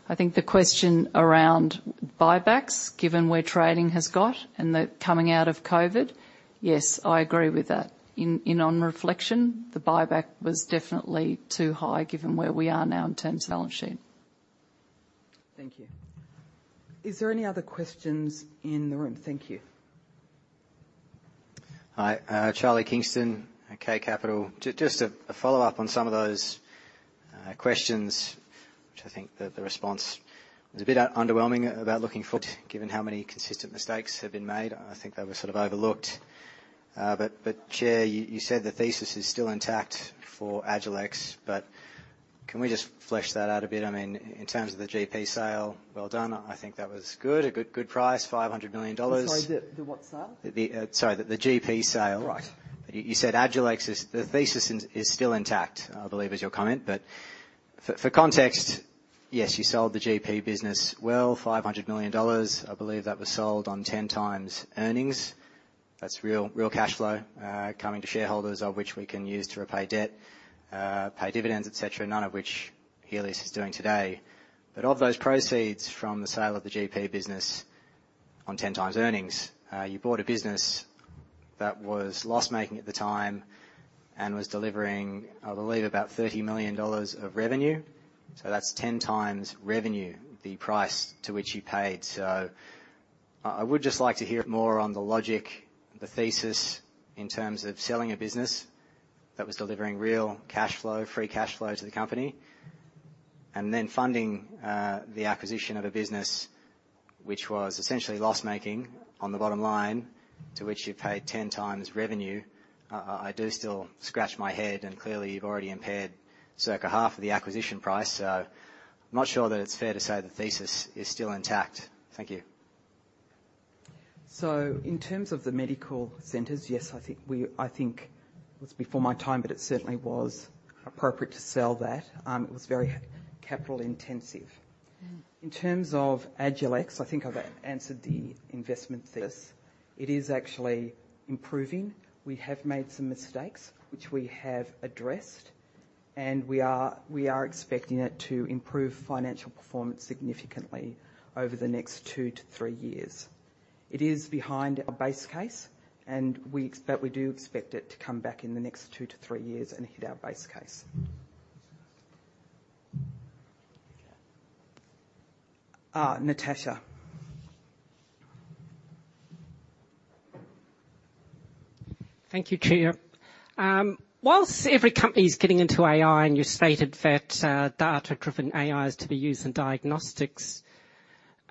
I think the question around buybacks, given where trading has got and the coming out of COVID, yes, I agree with that. On reflection, the buyback was definitely too high, given where we are now in terms of balance sheet. Thank you. Is there any other questions in the room? Thank you. Hi, Charlie Kingston at K Capital. Just a follow-up on some of those questions, which I think the response was a bit underwhelming about looking forward, given how many consistent mistakes have been made. I think they were sort of overlooked. But, Chair, you said the thesis is still intact for Agilex, but can we just flesh that out a bit? I mean, in terms of the GP sale, well done. I think that was good. A good, good price, 500 million dollars. I'm sorry, the what sale? Sorry, the GP sale. Right. You said Agilex is, the thesis is still intact, I believe, is your comment. But for context, yes, you sold the GP business well, 500 million dollars. I believe that was sold on 10x earnings. That's real, real cashflow coming to shareholders, of which we can use to repay debt, pay dividends, et cetera, none of which Healius is doing today. But of those proceeds from the sale of the GP business on 10x earnings, you bought a business that was loss-making at the time and was delivering, I believe, about 30 million dollars of revenue. So that's 10x revenue, the price to which you paid. So I, I would just like to hear more on the logic, the thesis, in terms of selling a business that was delivering real cashflow, free cashflow to the company, and then funding the acquisition of a business which was essentially loss-making on the bottom line, to which you paid 10x revenue. I, I do still scratch my head, and clearly, you've already impaired circa half of the acquisition price, so I'm not sure that it's fair to say the thesis is still intact. Thank you. So in terms of the medical centers, yes, I think we, I think it was before my time, but it certainly was appropriate to sell that. It was very capital intensive. In terms of Agilex, I think I've answered the investment thesis. It is actually improving. We have made some mistakes, which we have addressed, and we are, we are expecting it to improve financial performance significantly over the next 2-3 years. It is behind our base case, but we do expect it to come back in the next 2-3 years and hit our base case. Natasha. Thank you, Chair. Whilst every company is getting into AI, and you stated that data-driven AI is to be used in diagnostics,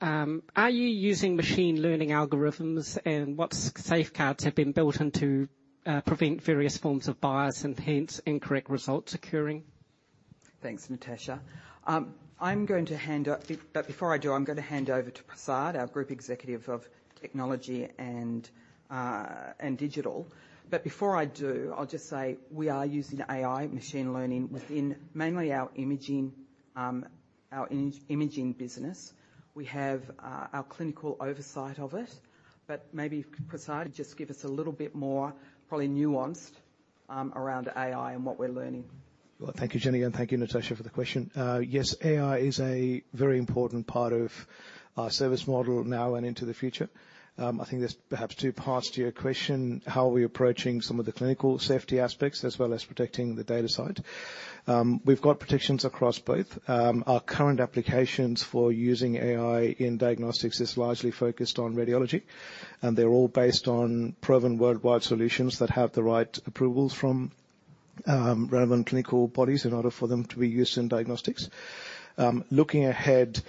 are you using machine learning algorithms, and what safeguards have been built in to prevent various forms of bias and hence incorrect results occurring? Thanks, Natasha. I'm going to hand over to Prasad, our Group Executive of Technology and Digital. But before I do, I'll just say we are using AI machine learning within mainly our imaging business. We have our clinical oversight of it, but maybe, Prasad, just give us a little bit more, probably nuanced, around AI and what we're learning. Well, thank you, Jenny, and thank you, Natasha, for the question. Yes, AI is a very important part of our service model now and into the future. I think there's perhaps two parts to your question: How are we approaching some of the clinical safety aspects, as well as protecting the data side? We've got protections across both. Our current applications for using AI in diagnostics is largely focused on radiology, and they're all based on proven worldwide solutions that have the right approvals from relevant clinical bodies in order for them to be used in diagnostics. Looking ahead,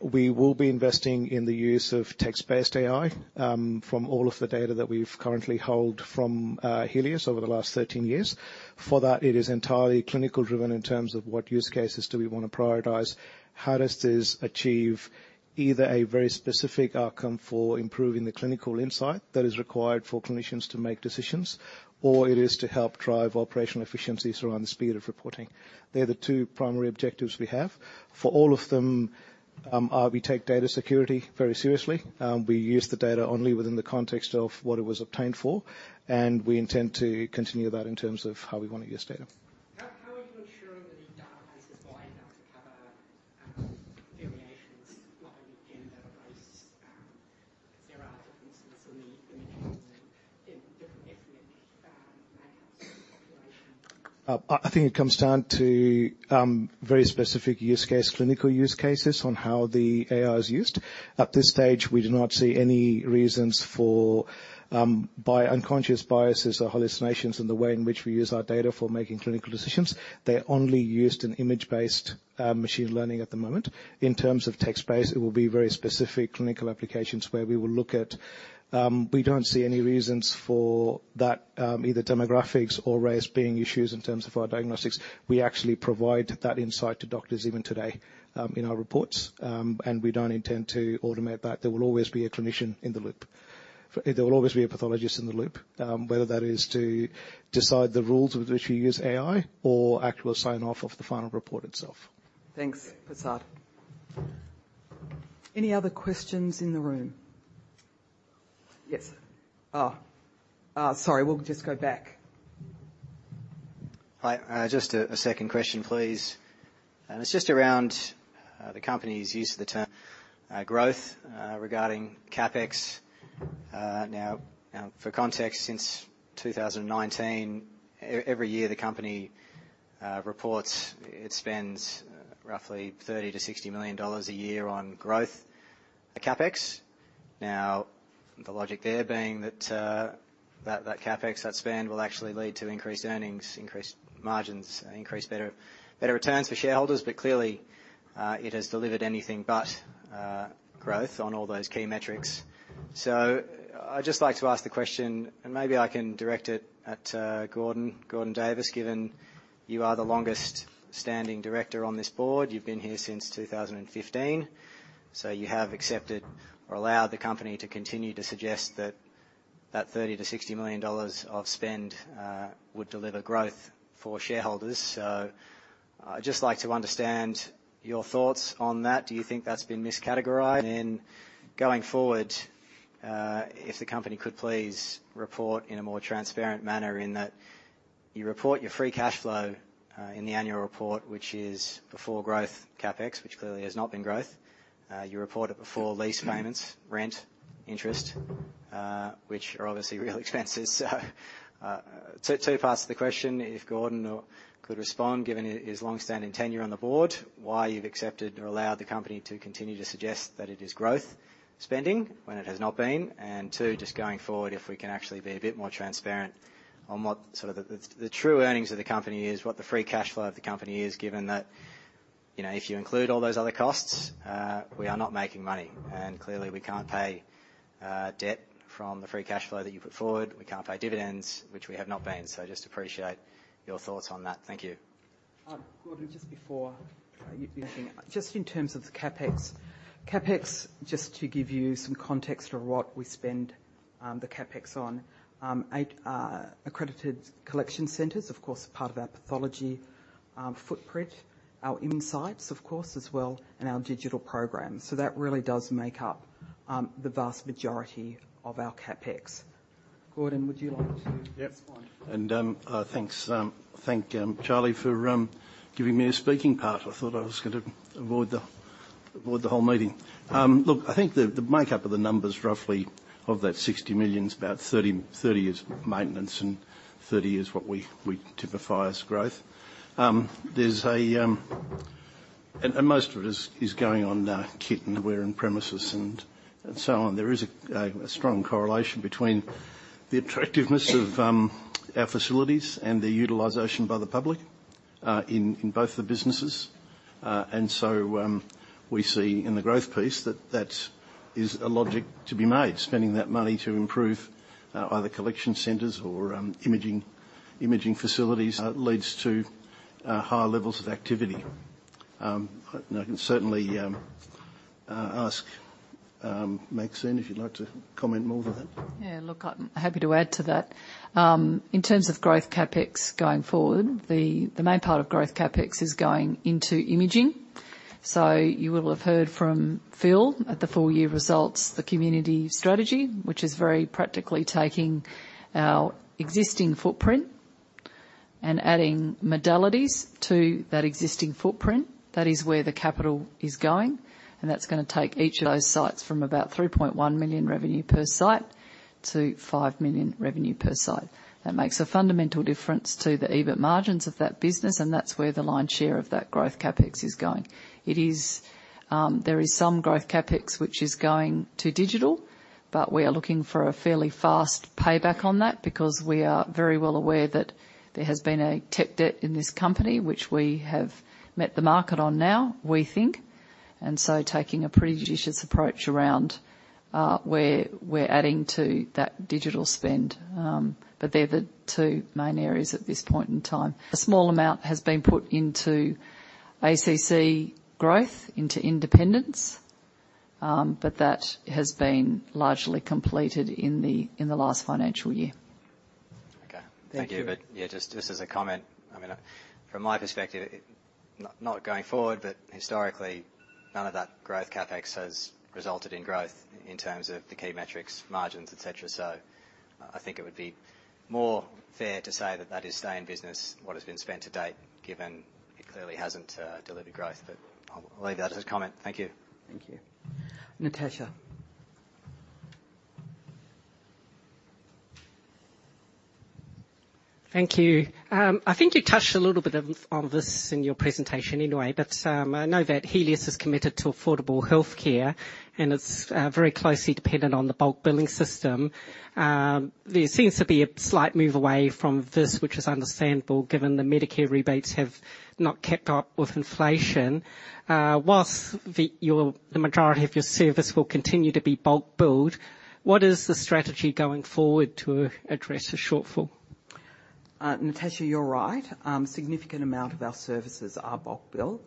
we will be investing in the use of text-based AI from all of the data that we've currently held from Healius over the last 13 years. For that, it is entirely clinical driven in terms of what use cases do we want to prioritize. How does this achieve either a very specific outcome for improving the clinical insight that is required for clinicians to make decisions, or it is to help drive operational efficiencies around the speed of reporting? They're the two primary objectives we have. For all of them, we take data security very seriously. We use the data only within the context of what it was obtained for, and we intend to continue that in terms of how we want to use data. How are you ensuring that the data is wide enough to cover variations like gender? I think it comes down to very specific use case, clinical use cases on how the AI is used. At this stage, we do not see any reasons for by unconscious biases or hallucinations in the way in which we use our data for making clinical decisions. They're only used in image-based machine learning at the moment. In terms of text-based, it will be very specific clinical applications where we will look at... We don't see any reasons for that either demographics or race being issues in terms of our diagnostics. We actually provide that insight to doctors even today in our reports. And we don't intend to automate that. There will always be a clinician in the loop. There will always be a pathologist in the loop, whether that is to decide the rules with which we use AI or actual sign-off of the final report itself. Thanks, Prasad. Any other questions in the room? Yes. Oh, sorry, we'll just go back. Hi, just a second question, please. It's just around the company's use of the term growth regarding CapEx. Now, for context, since 2019, every year the company reports it spends roughly 30-60 million dollars a year on growth, the CapEx. Now, the logic there being that that CapEx, that spend, will actually lead to increased earnings, increased margins, increased better returns for shareholders, but clearly it has delivered anything but growth on all those key metrics. So I'd just like to ask the question, and maybe I can direct it at Gordon Davis, given you are the longest-standing director on this board. You've been here since 2015, so you have accepted or allowed the company to continue to suggest that that 30 million-60 million dollars of spend would deliver growth for shareholders. So I'd just like to understand your thoughts on that. Do you think that's been miscategorized? And then going forward, if the company could please report in a more transparent manner, in that you report your free cash flow in the annual report, which is before growth CapEx, which clearly has not been growth. You report it before lease payments, rent, interest, which are obviously real expenses. So, two parts to the question, if Gordon could respond, given his longstanding tenure on the board, why you've accepted or allowed the company to continue to suggest that it is growth spending when it has not been? Two, just going forward, if we can actually be a bit more transparent on what sort of the true earnings of the company is, what the free cash flow of the company is, given that, you know, if you include all those other costs, we are not making money, and clearly, we can't pay debt from the free cash flow that you put forward. We can't pay dividends, which we have not been. So just appreciate your thoughts on that. Thank you. Gordon, just before you begin, just in terms of the CapEx. CapEx, just to give you some context on what we spend the CapEx on, eight accredited collection centers, of course, are part of our pathology footprint, our insights, of course, as well, and our digital program. So that really does make up the vast majority of our CapEx. Gordon, would you like to- Yep. Respond? Thanks, Charlie, for giving me a speaking part. I thought I was gonna avoid the whole meeting. Look, I think the makeup of the numbers, roughly of that 60 million is about 30 million, 30 million is maintenance and 30 million is what we typify as growth. Most of it is going on kit and wear and premises and so on. There is a strong correlation between the attractiveness of our facilities and the utilization by the public in both the businesses. And so, we see in the growth piece that is a logic to be made, spending that money to improve either collection centers or imaging facilities. It leads to higher levels of activity. I can certainly ask Maxine, if you'd like to comment more than that. Yeah, look, I'm happy to add to that. In terms of growth CapEx going forward, the main part of growth CapEx is going into imaging. So you will have heard from Phil at the full year results, the community strategy, which is very practically taking our existing footprint and adding modalities to that existing footprint. That is where the capital is going, and that's gonna take each of those sites from about 3.1 million revenue per site to 5 million revenue per site. That makes a fundamental difference to the EBIT margins of that business, and that's where the lion's share of that growth CapEx is going. It is, there is some growth CapEx, which is going to digital, but we are looking for a fairly fast payback on that because we are very well aware that there has been a tech debt in this company, which we have met the market on now, we think, and so taking a judicious approach around where we're adding to that digital spend. But they're the two main areas at this point in time. A small amount has been put into ACCC growth, into independents, but that has been largely completed in the last financial year. Okay. Thank you. Thank you. But yeah, just, just as a comment, I mean, from my perspective, not, not going forward, but historically, none of that growth CapEx has resulted in growth in terms of the key metrics, margins, et cetera. So- I think it would be more fair to say that that is stay in business, what has been spent to date, given it clearly hasn't delivered growth, but I'll, I'll leave that as a comment. Thank you. Thank you. Natasha? Thank you. I think you touched a little bit on this in your presentation anyway, but I know that Healius is committed to affordable healthcare, and it's very closely dependent on the bulk billing system. There seems to be a slight move away from this, which is understandable, given the Medicare rebates have not kept up with inflation. Whilst the majority of your service will continue to be bulk billed, what is the strategy going forward to address the shortfall? Natasha, you're right. Significant amount of our services are bulk bill,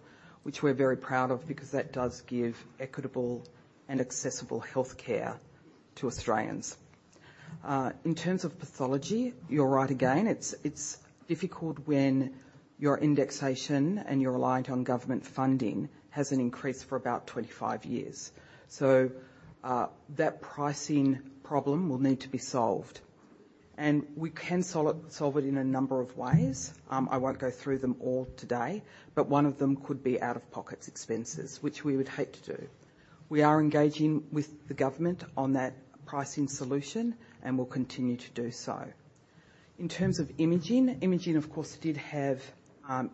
which we're very proud of, because that does give equitable and accessible health care to Australians. In terms of pathology, you're right again, it's difficult when your indexation and you're reliant on government funding hasn't increased for about 25 years. So, that pricing problem will need to be solved, and we can solve it in a number of ways. I won't go through them all today, but one of them could be out-of-pocket expenses, which we would hate to do. We are engaging with the government on that pricing solution, and we'll continue to do so. In terms of imaging, imaging, of course, did have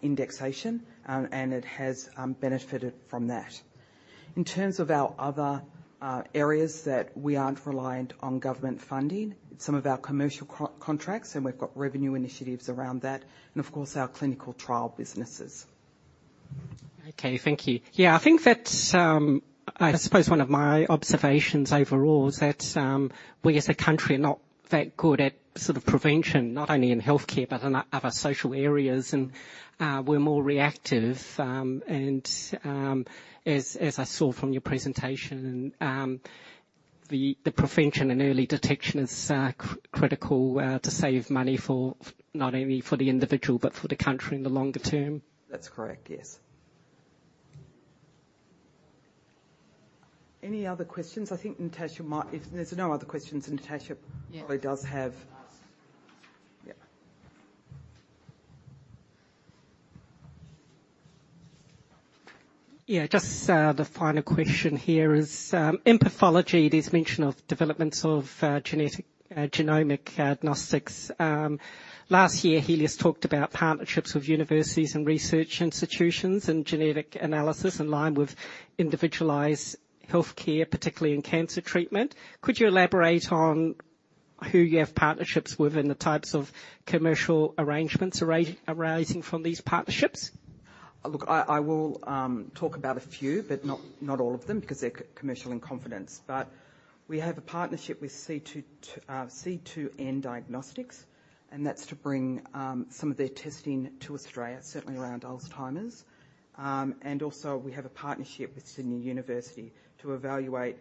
indexation, and it has benefited from that. In terms of our other areas that we aren't reliant on government funding, some of our commercial contracts, and we've got revenue initiatives around that, and of course, our clinical trial businesses. Okay, thank you. Yeah, I think that I suppose one of my observations overall is that we, as a country, are not that good at sort of prevention, not only in healthcare, but in other social areas, and we're more reactive. As I saw from your presentation, and the prevention and early detection is critical to save money for, not only for the individual, but for the country in the longer term. That's correct, yes. Any other questions? I think Natasha might... If there's no other questions, then Natasha- Yeah. Probably does have. Yeah. Yeah, just, the final question here is, in pathology, there's mention of developments of, genetic, genomic diagnostics. Last year, Healius talked about partnerships with universities and research institutions and genetic analysis in line with individualized healthcare, particularly in cancer treatment. Could you elaborate on who you have partnerships with and the types of commercial arrangements arising from these partnerships? Look, I will talk about a few, but not all of them because they're commercial in confidence. But we have a partnership with C2, C2N Diagnostics, and that's to bring some of their testing to Australia, certainly around Alzheimer's. And also, we have a partnership with Sydney University to evaluate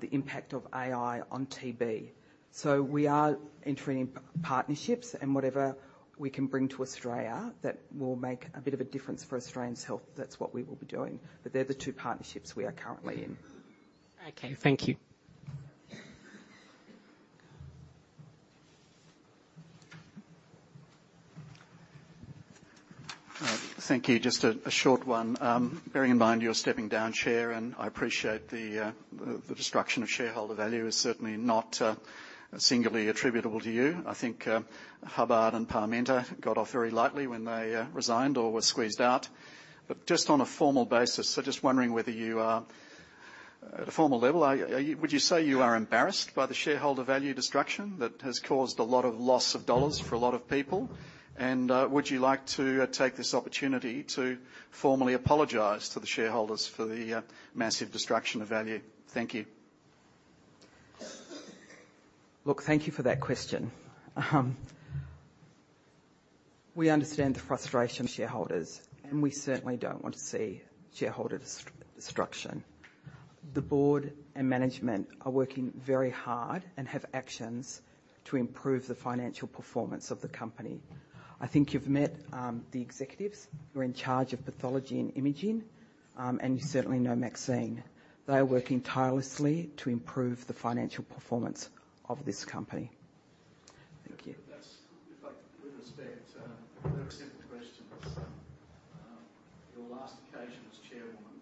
the impact of AI on TB. So we are entering partnerships, and whatever we can bring to Australia that will make a bit of a difference for Australians' health, that's what we will be doing. But they're the two partnerships we are currently in. Okay, thank you. Thank you. Just a short one. Bearing in mind you're stepping down, Chair, and I appreciate the destruction of shareholder value is certainly not singularly attributable to you. I think Hubbard and Parmenter got off very lightly when they resigned or were squeezed out. But just on a formal basis, just wondering whether you are, at a formal level, would you say you are embarrassed by the shareholder value destruction that has caused a lot of loss of dollars for a lot of people? And would you like to take this opportunity to formally apologize to the shareholders for the massive destruction of value? Thank you. Look, thank you for that question. We understand the frustration of shareholders, and we certainly don't want to see shareholder destruction. The board and management are working very hard and have actions to improve the financial performance of the company. I think you've met the executives who are in charge of pathology and imaging, and you certainly know Maxine. They are working tirelessly to improve the financial performance of this company. Thank you. That's... With respect, a very simple question. Your last occasion as chairwoman,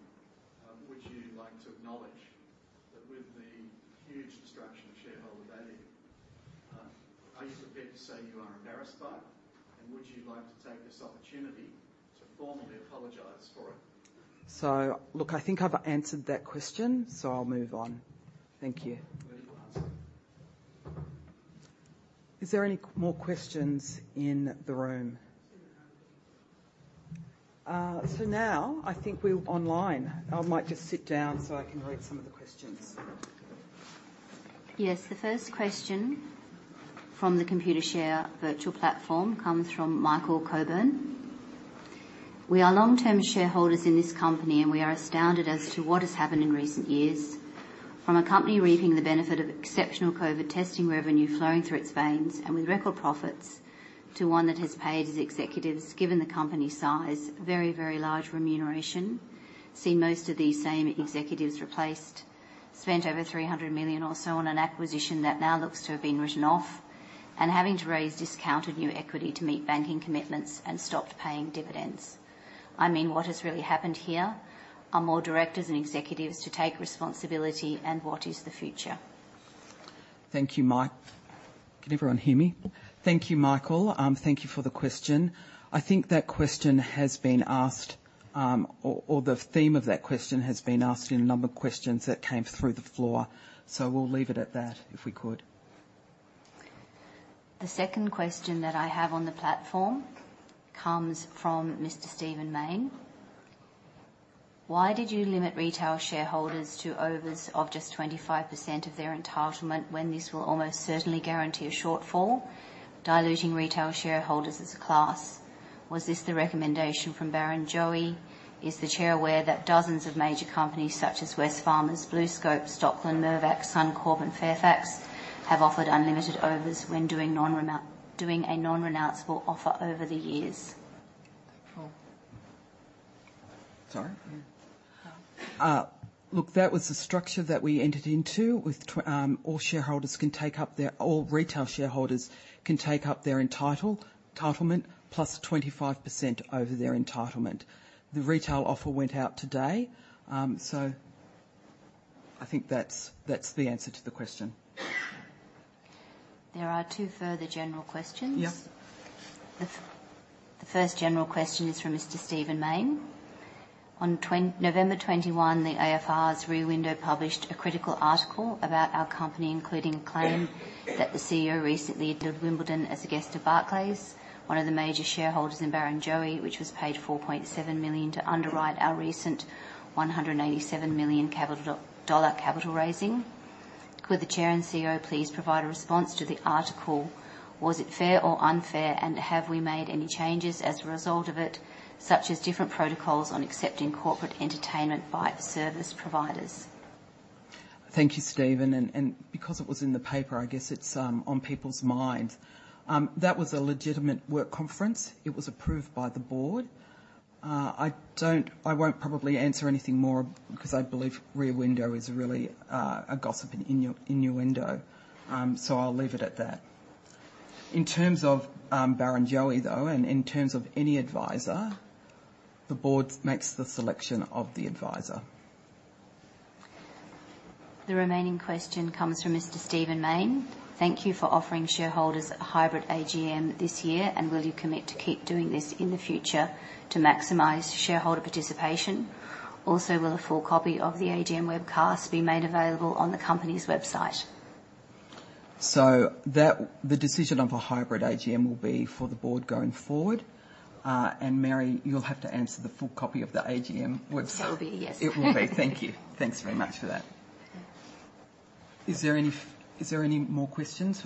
would you like to acknowledge that with the huge destruction of shareholder value, are you prepared to say you are embarrassed by it, and would you like to take this opportunity to formally apologize for it? So, look, I think I've answered that question, so I'll move on. Thank you. But you asked it. Is there any more questions in the room? It's in the hand. Now, I think we're online. I might just sit down so I can read some of the questions. Yes, the first question from the Computershare virtual platform comes from Michael Coburn: "We are long-term shareholders in this company, and we are astounded as to what has happened in recent years. From a company reaping the benefit of exceptional COVID testing revenue flowing through its veins, and with record profits, to one that has paid its executives, given the company size, very, very large remuneration, seen most of these same executives spent over 300 million or so on an acquisition that now looks to have been written off, and having to raise discounted new equity to meet banking commitments and stopped paying dividends. I mean, what has really happened here? Are more directors and executives to take responsibility, and what is the future? Thank you, Mike. Can everyone hear me? Thank you, Michael. Thank you for the question. I think that question has been asked, or the theme of that question has been asked in a number of questions that came through the floor. So we'll leave it at that, if we could. The second question that I have on the platform comes from Mr. Stephen Mayne: Why did you limit retail shareholders to overs of just 25% of their entitlement when this will almost certainly guarantee a shortfall, diluting retail shareholders as a class? Was this the recommendation from Barrenjoey? Is the Chair aware that dozens of major companies, such as Wesfarmers, BlueScope, Stockland, Mirvac, Suncorp, and Fairfax, have offered unlimited overs when doing a non-renounceable offer over the years? Sorry. Look, that was the structure that we entered into. All retail shareholders can take up their entitlement, +25% over their entitlement. The retail offer went out today. So I think that's, that's the answer to the question. There are two further general questions. Yep. The first general question is from Mr. Stephen Mayne: On November 21, the AFR's Rear Window published a critical article about our company, including a claim that the CEO recently attended Wimbledon as a guest of Barclays, one of the major shareholders in Barrenjoey, which was paid 4.7 million to underwrite our recent 187 million dollar capital raising. Could the Chair and CEO please provide a response to the article? Was it fair or unfair, and have we made any changes as a result of it, such as different protocols on accepting corporate entertainment by its service providers? Thank you, Stephen, and because it was in the paper, I guess it's on people's minds. That was a legitimate work conference. It was approved by the board. I won't probably answer anything more because I believe Rear Window is really a gossip innuendo. So I'll leave it at that. In terms of Barrenjoey, though, and in terms of any advisor, the board makes the selection of the advisor. The remaining question comes from Mr. Stephen Mayne: Thank you for offering shareholders a hybrid AGM this year, and will you commit to keep doing this in the future to maximize shareholder participation? Also, will a full copy of the AGM webcast be made available on the company's website? The decision of a hybrid AGM will be for the board going forward. And Mary, you'll have to answer the full copy of the AGM website. It will be, yes. It will be. Thank you. Thanks very much for that. Yeah. Is there any more questions?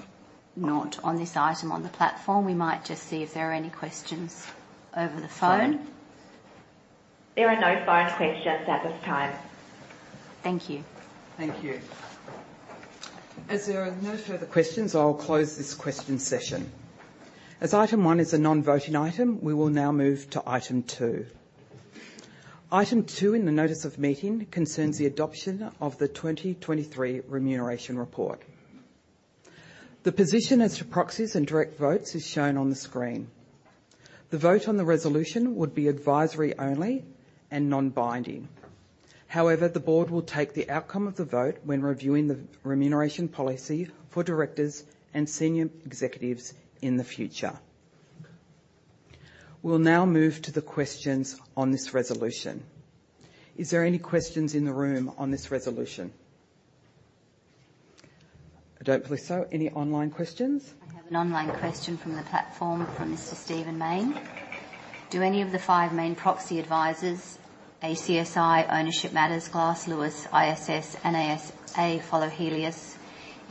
Not on this item on the platform. We might just see if there are any questions over the phone. There are no phone questions at this time. Thank you. Thank you. As there are no further questions, I'll close this question session. As item one is a non-voting item, we will now move to item two. Item two in the notice of meeting concerns the adoption of the 2023 Remuneration Report. The position as to proxies and direct votes is shown on the screen. The vote on the resolution would be advisory only and non-binding. However, the board will take the outcome of the vote when reviewing the remuneration policy for directors and senior executives in the future. We'll now move to the questions on this resolution. Is there any questions in the room on this resolution? I don't believe so. Any online questions? I have an online question from the platform from Mr. Stephen Mayne: Do any of the five main proxy advisors, ACSI, Ownership Matters, Glass Lewis, ISS, and ASA, follow Healius?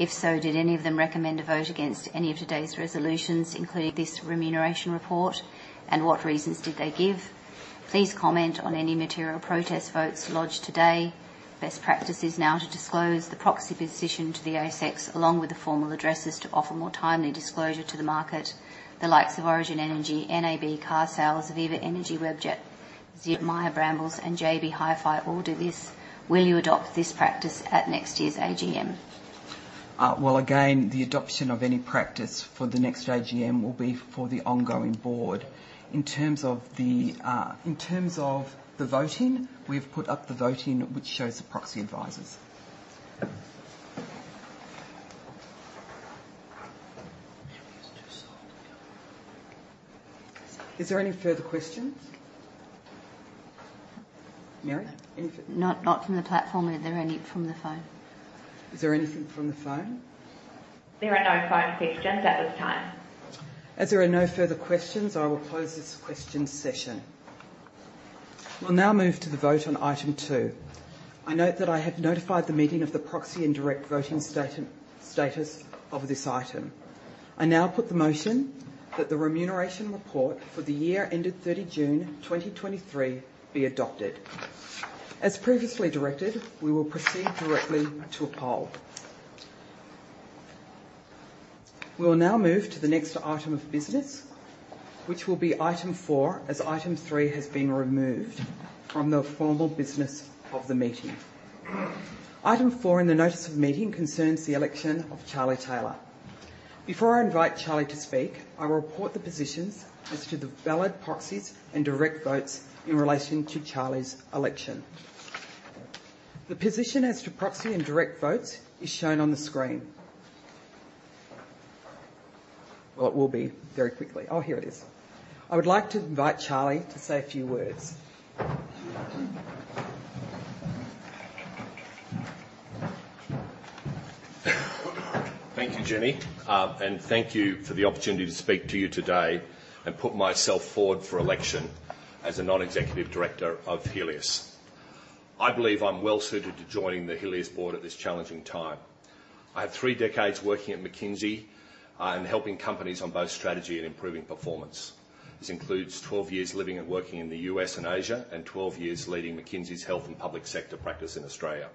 If so, did any of them recommend a vote against any of today's resolutions, including this remuneration report? And what reasons did they give? Please comment on any material protest votes lodged today. Best practice is now to disclose the proxy position to the ASX, along with the formal addresses, to offer more timely disclosure to the market. The likes of Origin Energy, NAB, Carsales, Viva Energy, Webjet, Myer, Brambles, and JB Hi-Fi all do this. Will you adopt this practice at next year's AGM? Well, again, the adoption of any practice for the next AGM will be for the ongoing board. In terms of the voting, we've put up the voting, which shows the proxy advisors. Is there any further questions? Mary, anything? Not, not from the platform. Are there any from the phone? Is there anything from the phone? There are no phone questions at this time. As there are no further questions, I will close this question session. We'll now move to the vote on item 2. I note that I have notified the meeting of the proxy and direct voting status of this item. I now put the motion that the Remuneration Report for the year ended 30 June 2023 be adopted. As previously directed, we will proceed directly to a poll. We will now move to the next item of business, which will be item 4, as item 3 has been removed from the formal business of the meeting. Item 4 in the notice of meeting concerns the election of Charlie Taylor. Before I invite Charlie to speak, I will report the positions as to the valid proxies and direct votes in relation to Charlie's election. The position as to proxy and direct votes is shown on the screen. Well, it will be very quickly. Oh, here it is. I would like to invite Charlie to say a few words. Thank you, Jenny, and thank you for the opportunity to speak to you today and put myself forward for election as a non-executive director of Healius. I believe I'm well-suited to joining the Healius board at this challenging time. I have three decades working at McKinsey, and helping companies on both strategy and improving performance. This includes 12 years living and working in the U.S. and Asia, and 12 years leading McKinsey's health and public sector practice in Australia.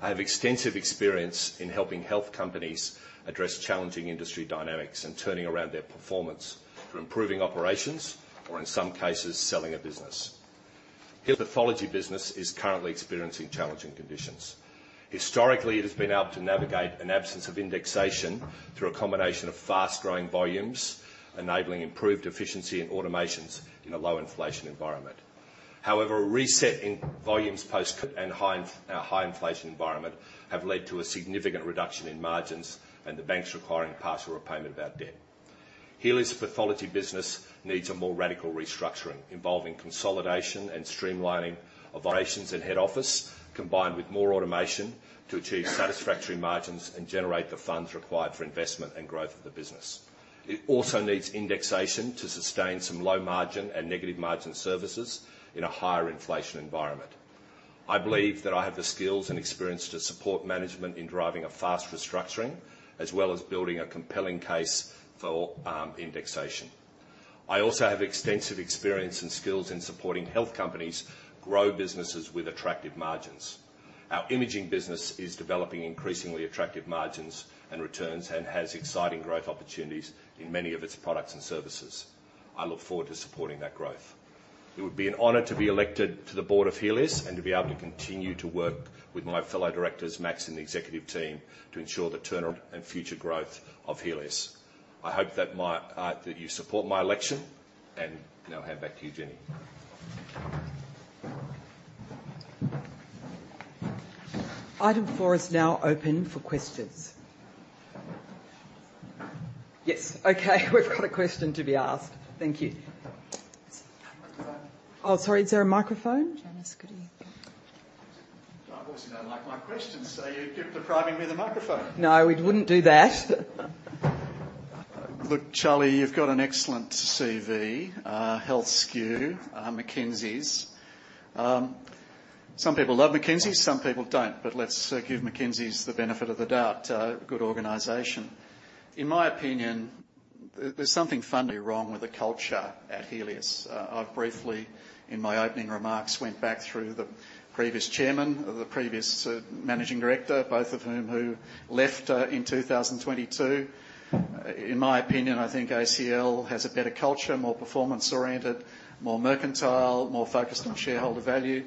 I have extensive experience in helping health companies address challenging industry dynamics and turning around their performance, through improving operations or, in some cases, selling a business. Healius pathology business is currently experiencing challenging conditions. Historically, it has been able to navigate an absence of indexation through a combination of fast-growing volumes, enabling improved efficiency and automations in a low inflation environment. However, a reset in volumes post high inflation environment have led to a significant reduction in margins and the banks requiring partial repayment of our debt. Healius pathology business needs a more radical restructuring, involving consolidation and streamlining of operations and head office, combined with more automation to achieve satisfactory margins and generate the funds required for investment and growth of the business. It also needs indexation to sustain some low margin and negative margin services in a higher inflation environment. I believe that I have the skills and experience to support management in driving a fast restructuring, as well as building a compelling case for indexation. I also have extensive experience and skills in supporting health companies grow businesses with attractive margins. Our imaging business is developing increasingly attractive margins and returns, and has exciting growth opportunities in many of its products and services. I look forward to supporting that growth. It would be an honor to be elected to the board of Healius, and to be able to continue to work with my fellow directors, Max, and the executive team to ensure the turnaround and future growth of Healius. I hope that my, that you support my election, and now I'll hand back to you, Jenny. Item four is now open for questions. Yes. Okay, we've got a question to be asked. Thank you. Microphone. Oh, sorry, is there a microphone? Janice, could you- My boys don't like my questions, so you keep depriving me the microphone. No, we wouldn't do that. Look, Charlie, you've got an excellent CV, healthcare, McKinsey's. Some people love McKinsey, some people don't. But let's give McKinsey's the benefit of the doubt, good organization. In my opinion, there's something fundamentally wrong with the culture at Healius. I've briefly, in my opening remarks, went back through the previous chairman, the previous, managing director, both of whom, who left, in 2022. In my opinion, I think ACL has a better culture, more performance-oriented, more mercantile, more focused on shareholder value.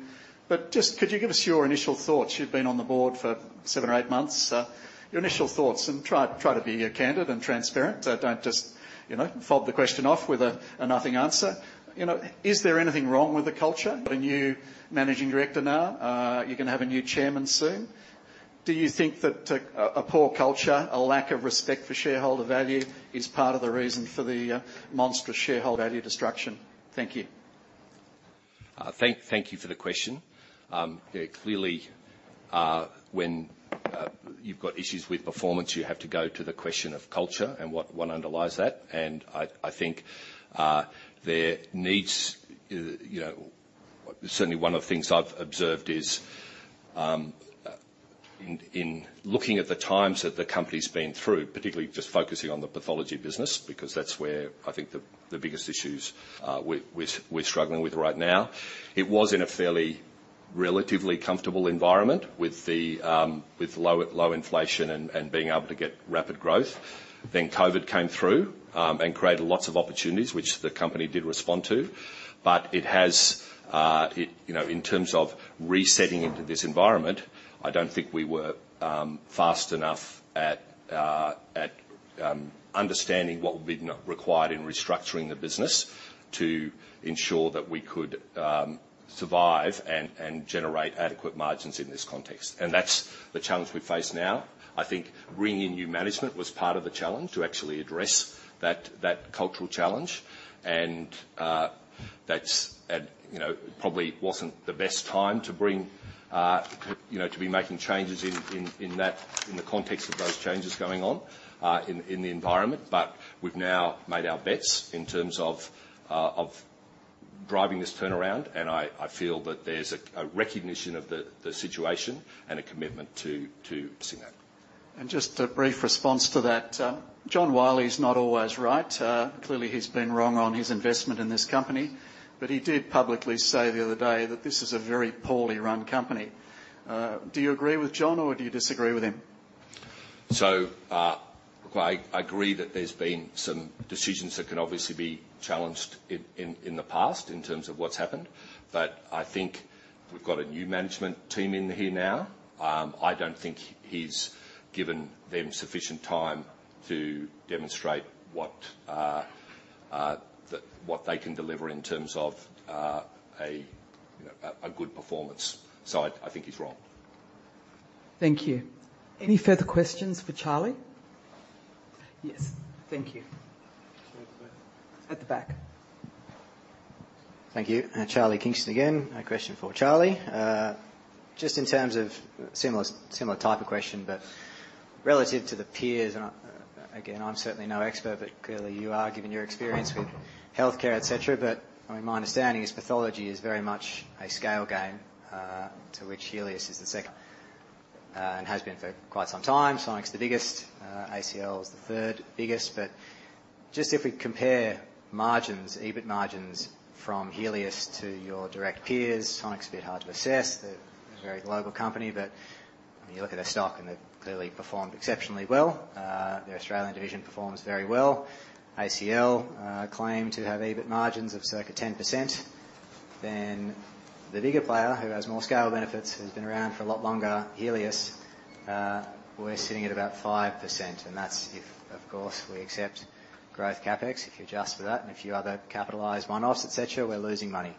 But just could you give us your initial thoughts? You've been on the board for seven or eight months, your initial thoughts, and try, try to be, candid and transparent. So don't just, you know, fob the question off with a, a nothing answer. You know, is there anything wrong with the culture? Got a new managing director now, you're gonna have a new chairman soon. Do you think that a poor culture, a lack of respect for shareholder value, is part of the reason for the monstrous shareholder value destruction? Thank you. Thank you for the question. Yeah, clearly, when you've got issues with performance, you have to go to the question of culture and what underlies that. And I think there needs, you know... Certainly one of the things I've observed is in looking at the times that the company's been through, particularly just focusing on the pathology business, because that's where I think the biggest issues we're struggling with right now. It was in a fairly, relatively comfortable environment with low inflation and being able to get rapid growth. Then COVID came through and created lots of opportunities, which the company did respond to. But it has, you know, in terms of resetting into this environment, I don't think we were fast enough at understanding what would be required in restructuring the business to ensure that we could survive and generate adequate margins in this context, and that's the challenge we face now. I think bringing in new management was part of the challenge to actually address that cultural challenge, and that's and you know probably wasn't the best time to bring you know to be making changes in that in the context of those changes going on in the environment. But we've now made our bets in terms of of driving this turnaround, and I feel that there's a recognition of the situation and a commitment to seeing that. Just a brief response to that. John Wylie is not always right. Clearly, he's been wrong on his investment in this company, but he did publicly say the other day that this is a very poorly run company. Do you agree with John, or do you disagree with him? So, look, I agree that there's been some decisions that can obviously be challenged in the past in terms of what's happened, but I think we've got a new management team in here now. I don't think he's given them sufficient time to demonstrate what they can deliver in terms of a good performance. So I think he's wrong. Thank you. Any further questions for Charlie? Yes. Thank you. At the back. At the back. Thank you. Charlie Kingston again. A question for Charlie. Just in terms of similar, similar type of question, but relative to the peers and I—again, I'm certainly no expert, but clearly you are, given your experience with healthcare, et cetera. But, I mean, my understanding is pathology is very much a scale game, to which Healius is the second, and has been for quite some time. Sonic's the biggest, ACL is the third biggest. But just if we compare margins, EBIT margins from Healius to your direct peers, Sonic's a bit hard to assess. They're a very global company, but when you look at their stock, and they've clearly performed exceptionally well. Their Australian division performs very well. ACL claim to have EBIT margins of circa 10%. Then the bigger player, who has more scale benefits, who's been around for a lot longer, Healius, we're sitting at about 5%, and that's if, of course, we accept growth CapEx, if you adjust for that, and a few other capitalized one-offs, et cetera, we're losing money.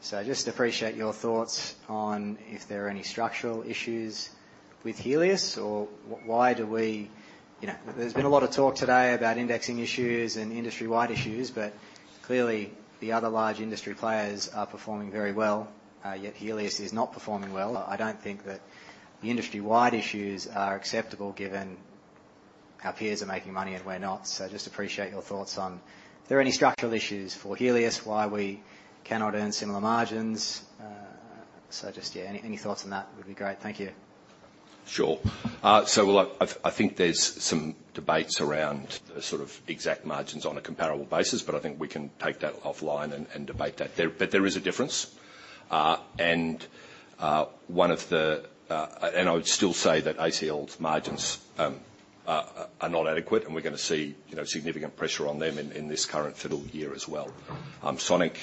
So I'd just appreciate your thoughts on if there are any structural issues with Healius or why do we... You know, there's been a lot of talk today about indexing issues and industry-wide issues, but clearly, the other large industry players are performing very well, yet Healius is not performing well. I don't think that the industry-wide issues are acceptable given our peers are making money and we're not. So just appreciate your thoughts on, are there any structural issues for Healius, why we cannot earn similar margins? So just, yeah, any, any thoughts on that would be great. Thank you. Sure. So look, I've, I think there's some debates around the sort of exact margins on a comparable basis, but I think we can take that offline and, and debate that there. But there is a difference, and, one of the, And I would still say that ACL's margins, are, are not adequate, and we're going to see, you know, significant pressure on them in, in this current fiscal year as well. Sonic,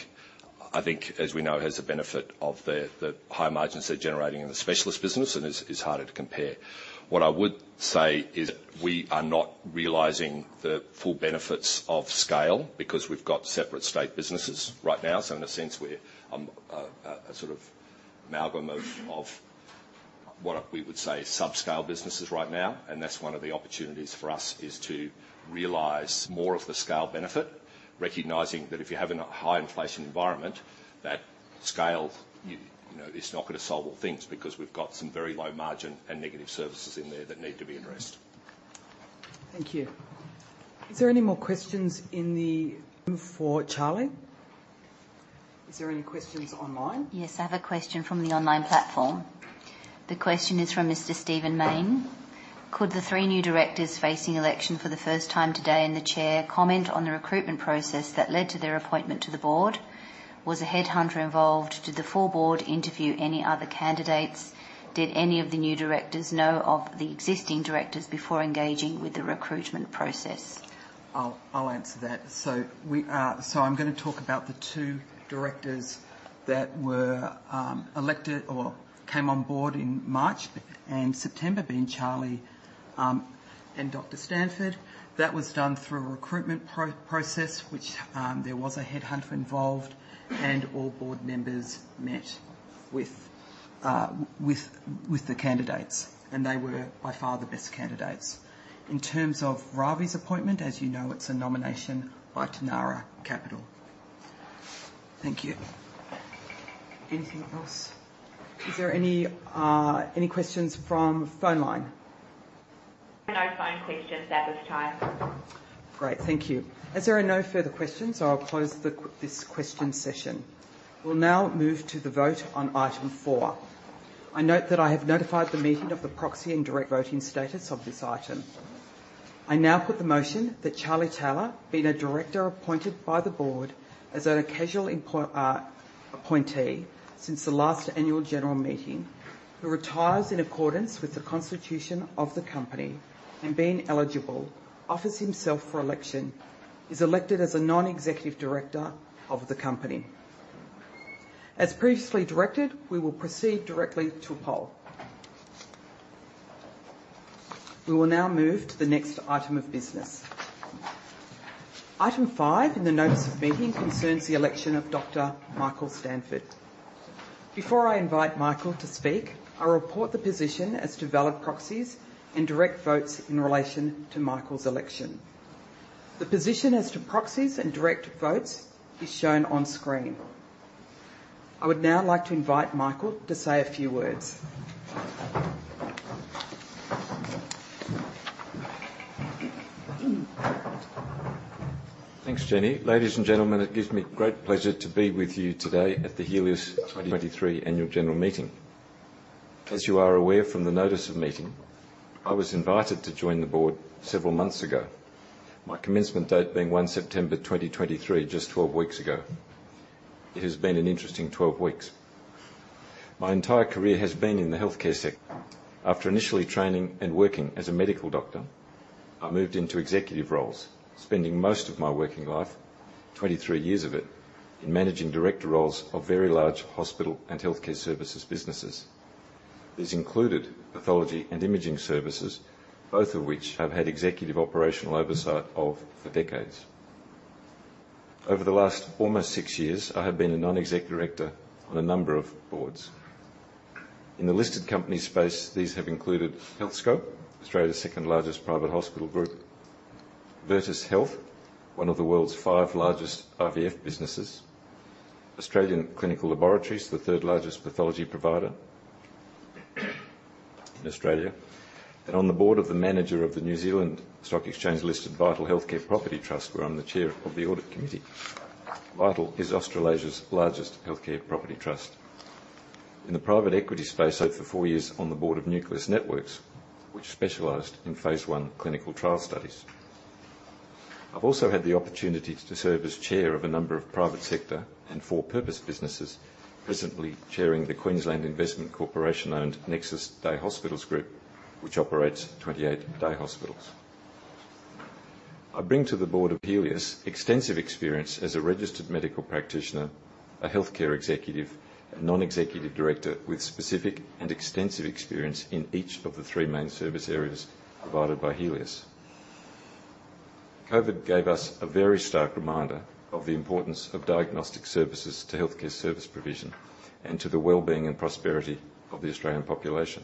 I think, as we know, has the benefit of the, the high margins they're generating in the specialist business and is, is harder to compare. What I would say is we are not realizing the full benefits of scale because we've got separate state businesses right now. So in a sense, we're a sort of amalgam of what we would say subscale businesses right now, and that's one of the opportunities for us, is to realize more of the scale benefit, recognizing that if you have a high inflation environment, that scale, you know, is not going to solve all things, because we've got some very low margin and negative services in there that need to be addressed. Thank you. Is there any more questions in the room for Charlie? Is there any questions online? Yes, I have a question from the online platform. The question is from Mr. Stephen Mayne: "Could the three new directors facing election for the first time today, and the chair, comment on the recruitment process that led to their appointment to the board? Was a headhunter involved? Did the full board interview any other candidates? Did any of the new directors know of the existing directors before engaging with the recruitment process? I'll answer that. So I'm going to talk about the two directors that were elected or came on board in March and September, being Charlie and Dr. Stanford. That was done through a recruitment process, which there was a headhunter involved, and all board members met with the candidates, and they were by far the best candidates. In terms of Ravi's appointment, as you know, it's a nomination by Tanarra Capital. Thank you. Anything else? Is there any questions from phone line? No phone questions at this time. Great, thank you. As there are no further questions, I'll close this question session. We'll now move to the vote on item four. I note that I have notified the meeting of the proxy and direct voting status of this item. I now put the motion that Charlie Taylor, being a director appointed by the board as a casual appointee since the last annual general meeting, who retires in accordance with the constitution of the company, and being eligible, offers himself for election, is elected as a non-executive director of the company. As previously directed, we will proceed directly to a poll. We will now move to the next item of business. Item five in the notice of meeting concerns the election of Dr. Michael Stanford. Before I invite Michael to speak, I'll report the position as to valid proxies and direct votes in relation to Michael's election. The position as to proxies and direct votes is shown on screen. I would now like to invite Michael to say a few words. Thanks, Jenny. Ladies and gentlemen, it gives me great pleasure to be with you today at the Healius 2023 annual general meeting. As you are aware from the notice of meeting, I was invited to join the board several months ago, my commencement date being 1 September 2023, just 12 weeks ago. It has been an interesting 12 weeks.... My entire career has been in the healthcare sector. After initially training and working as a medical doctor, I moved into executive roles, spending most of my working life, 23 years of it, in managing director roles of very large hospital and healthcare services businesses. These included pathology and imaging services, both of which I've had executive operational oversight of for decades. Over the last almost 6 years, I have been a non-executive director on a number of boards. In the listed company space, these have included Healthscope, Australia's second-largest private hospital group, Virtus Health, one of the world's 5 largest IVF businesses, Australian Clinical Laboratories, the third-largest pathology provider in Australia, and on the board of the manager of the New Zealand Stock Exchange-listed Vital Healthcare Property Trust, where I'm the chair of the audit committee. Vital is Australasia's largest healthcare property trust. In the private equity space, I was for 4 years on the board of Nucleus Networks, which specialized in phase I clinical trial studies. I've also had the opportunity to serve as chair of a number of private sector and for-purpose businesses, presently chairing the Queensland Investment Corporation-owned Nexus Day Hospitals Group, which operates 28 day hospitals. I bring to the board of Healius extensive experience as a registered medical practitioner, a healthcare executive, and non-executive director with specific and extensive experience in each of the three main service areas provided by Healius. COVID gave us a very stark reminder of the importance of diagnostic services to healthcare service provision and to the well-being and prosperity of the Australian population.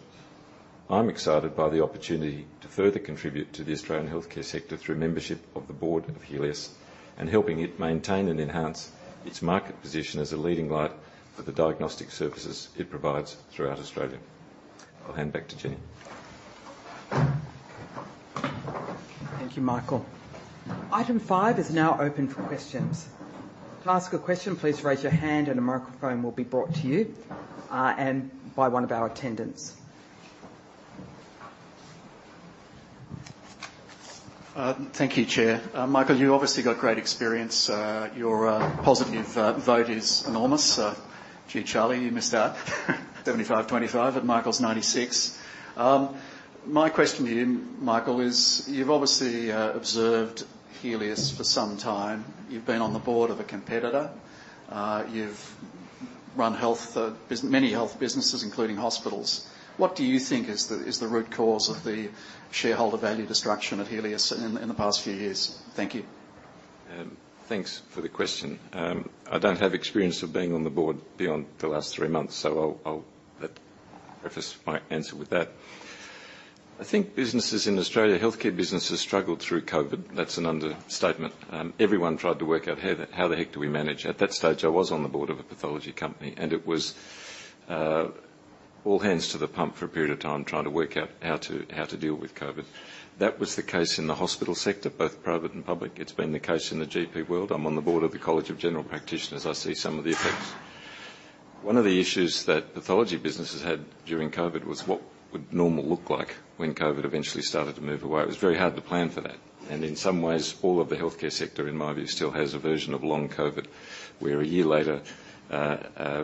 I'm excited by the opportunity to further contribute to the Australian healthcare sector through membership of the board of Healius, and helping it maintain and enhance its market position as a leading light for the diagnostic services it provides throughout Australia. I'll hand back to Jenny. Thank you, Michael. Item five is now open for questions. To ask a question, please raise your hand and a microphone will be brought to you, and by one of our attendants. Thank you, Chair. Michael, you obviously got great experience. Your positive vote is enormous. Gee, Charlie, you missed out. 75, 25, and Michael's 96. My question to you, Michael, is: you've obviously observed Healius for some time. You've been on the board of a competitor. You've run many health businesses, including hospitals. What do you think is the root cause of the shareholder value destruction at Healius in the past few years? Thank you. Thanks for the question. I don't have experience of being on the board beyond the last three months, so I'll preface my answer with that. I think businesses in Australia, healthcare businesses, struggled through COVID. That's an understatement. Everyone tried to work out how the heck do we manage? At that stage, I was on the board of a pathology company, and it was all hands to the pump for a period of time, trying to work out how to deal with COVID. That was the case in the hospital sector, both private and public. It's been the case in the GP world. I'm on the board of the College of General Practitioners. I see some of the effects. One of the issues that pathology businesses had during COVID was, what would normal look like when COVID eventually started to move away? It was very hard to plan for that, and in some ways, all of the healthcare sector, in my view, still has a version of long COVID, where a year later,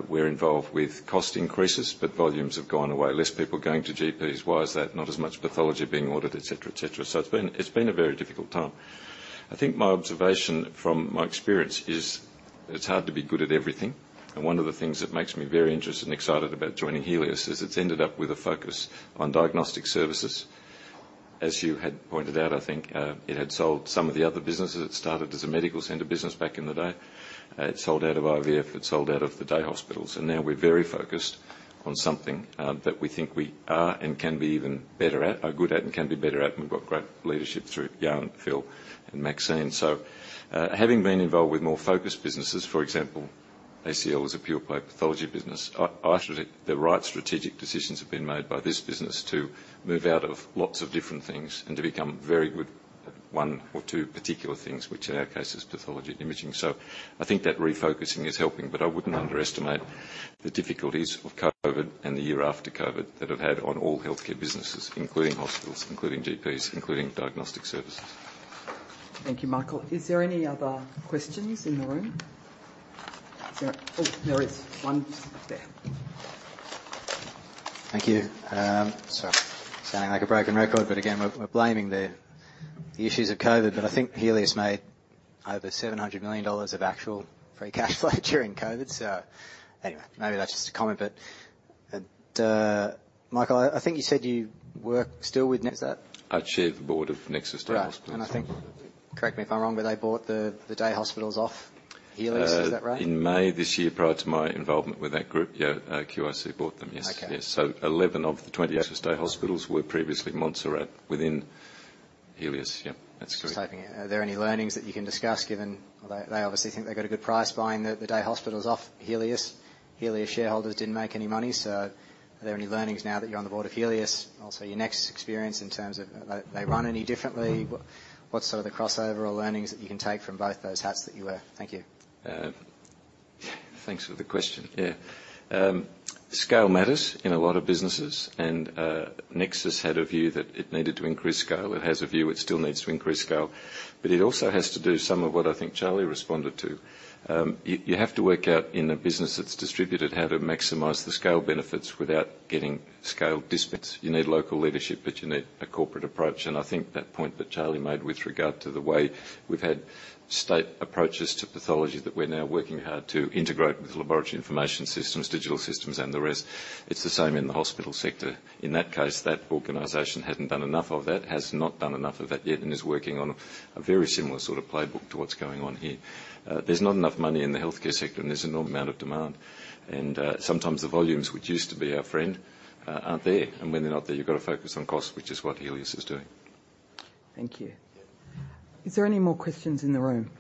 we're involved with cost increases, but volumes have gone away. Less people going to GPs. Why is that? Not as much pathology being ordered, et cetera, et cetera. So it's been, it's been a very difficult time. I think my observation from my experience is it's hard to be good at everything, and one of the things that makes me very interested and excited about joining Healius is it's ended up with a focus on diagnostic services. As you had pointed out, I think, it had sold some of the other businesses. It started as a medical center business back in the day. It sold out of IVF, it sold out of the day hospitals, and now we're very focused on something that we think we are and can be even better at, are good at and can be better at, and we've got great leadership through Jan, Phil, and Maxine. So, having been involved with more focused businesses, for example, ACL is a pure play pathology business. The right strategic decisions have been made by this business to move out of lots of different things and to become very good at one or two particular things, which in our case is pathology and imaging. I think that refocusing is helping, but I wouldn't underestimate the difficulties of COVID and the year after COVID that have had on all healthcare businesses, including hospitals, including GPs, including diagnostic services. Thank you, Michael. Is there any other questions in the room? Is there... Oh, there is one there. Thank you. So sounding like a broken record, but again, we're blaming the issues of COVID, but I think Healius made over 700 million dollars of actual free cash flow during COVID. So anyway, maybe that's just a comment, but and Michael, I think you said you work still with Nexus? I chair the board of Nexus Day Hospitals. Right, and I think, correct me if I'm wrong, but they bought the day hospitals off Healius. Is that right? In May this year, prior to my involvement with that group, yeah, QIC bought them. Yes. Okay. Yes. So 11 of the 28 day hospitals were previously Montserrat within Healius. Yeah, that's correct. Just hoping, are there any learnings that you can discuss, given they, they obviously think they got a good price buying the, the day hospitals off Healius. Healius shareholders didn't make any money, so are there any learnings now that you're on the board of Healius? Also, your Nexus experience in terms of do they run any differently? What, what's sort of the crossover or learnings that you can take from both those hats that you wear? Thank you. Thanks for the question. Yeah. Scale matters in a lot of businesses, and Nexus had a view that it needed to increase scale. It has a view it still needs to increase scale, but it also has to do some of what I think Charlie responded to- You, you have to work out in a business that's distributed, how to maximize the scale benefits without getting scale dispense. You need local leadership, but you need a corporate approach, and I think that point that Charlie made with regard to the way we've had state approaches to pathology, that we're now working hard to integrate with laboratory information systems, digital systems, and the rest. It's the same in the hospital sector. In that case, that organization hadn't done enough of that, has not done enough of that yet, and is working on a very similar sort of playbook to what's going on here. There's not enough money in the healthcare sector, and there's an enormous amount of demand. Sometimes the volumes which used to be our friend aren't there, and when they're not there, you've got to focus on cost, which is what Healius is doing. Thank you. Is there any more questions in the room?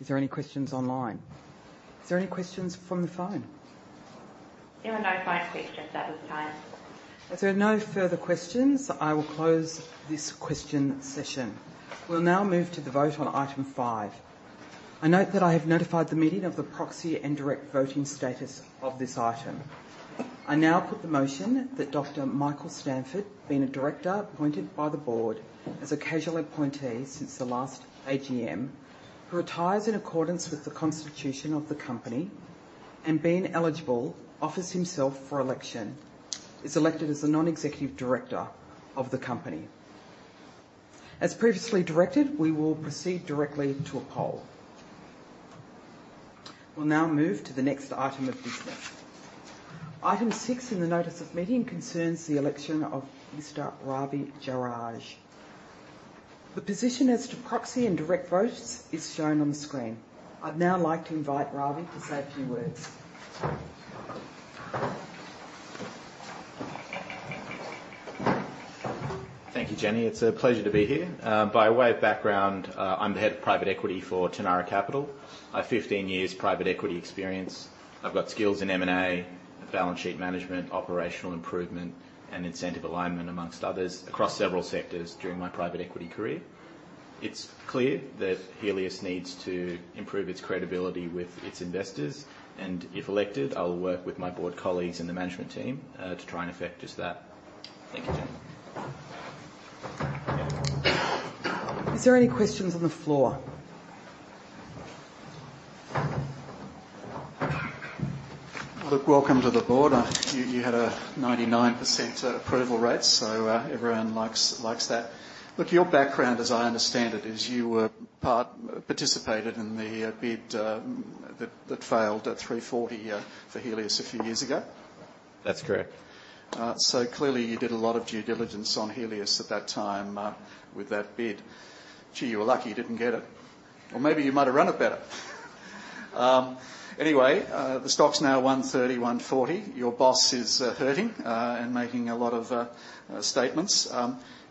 Is there any questions online? Is there any questions from the phone? There are no phone questions at this time. If there are no further questions, I will close this question session. We'll now move to the vote on item five. I note that I have notified the meeting of the proxy and direct voting status of this item. I now put the motion that Dr. Michael Stanford, being a director appointed by the board as a casual appointee since the last AGM, who retires in accordance with the constitution of the company, and being eligible, offers himself for election, is elected as a non-executive director of the company. As previously directed, we will proceed directly to a poll. We'll now move to the next item of business. Item six in the notice of meeting concerns the election of Mr. Ravi Jeyaraj. The position as to proxy and direct votes is shown on the screen. I'd now like to invite Ravi to say a few words. Thank you, Jenny. It's a pleasure to be here. By way of background, I'm the head of private equity for Tanarra Capital. I have 15 years private equity experience. I've got skills in M&A, balance sheet management, operational improvement, and incentive alignment, among others, across several sectors during my private equity career. It's clear that Healius needs to improve its credibility with its investors, and if elected, I will work with my board colleagues and the management team, to try and effect just that. Thank you, Jenny. Is there any questions on the floor? Look, welcome to the board. You had a 99% approval rate, so everyone likes that. Look, your background, as I understand it, is you participated in the bid that failed at 3.40 for Healius a few years ago? That's correct. So clearly, you did a lot of due diligence on Healius at that time, with that bid. Gee, you were lucky you didn't get it. Or maybe you might have run it better. Anyway, the stock's now 1.30, 1.40. Your boss is hurting, and making a lot of statements.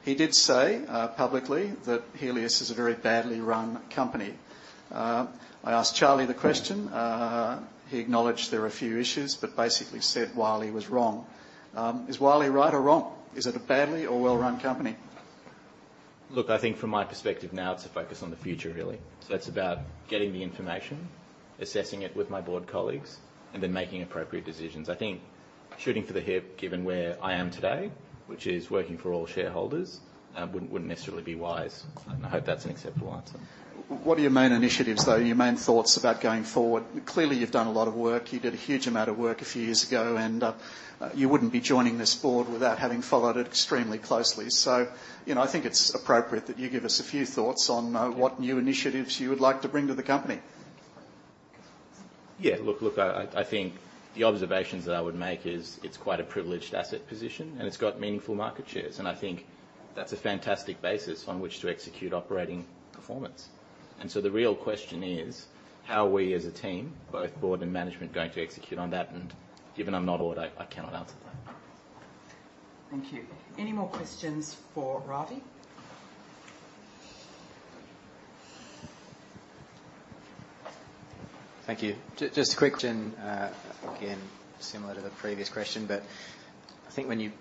He did say publicly, that Healius is a very badly run company. I asked Charlie the question. He acknowledged there are a few issues, but basically said Wylie was wrong. Is Wylie right or wrong? Is it a badly or well-run company? Look, I think from my perspective now, it's to focus on the future, really. So it's about getting the information, assessing it with my board colleagues, and then making appropriate decisions. I think shooting from the hip, given where I am today, which is working for all shareholders, wouldn't necessarily be wise, and I hope that's an acceptable answer. What are your main initiatives, though, your main thoughts about going forward? Clearly, you've done a lot of work. You did a huge amount of work a few years ago, and you wouldn't be joining this board without having followed it extremely closely. So, you know, I think it's appropriate that you give us a few thoughts on, Yeah... what new initiatives you would like to bring to the company. Yeah, look, I think the observations that I would make is it's quite a privileged asset position, and it's got meaningful market shares. I think that's a fantastic basis on which to execute operating performance. So the real question is: how are we as a team, both board and management, going to execute on that? Given I'm not on board, I cannot answer that. Thank you. Any more questions for Ravi? Thank you. Just a quick question, again, similar to the previous question, but I think when you...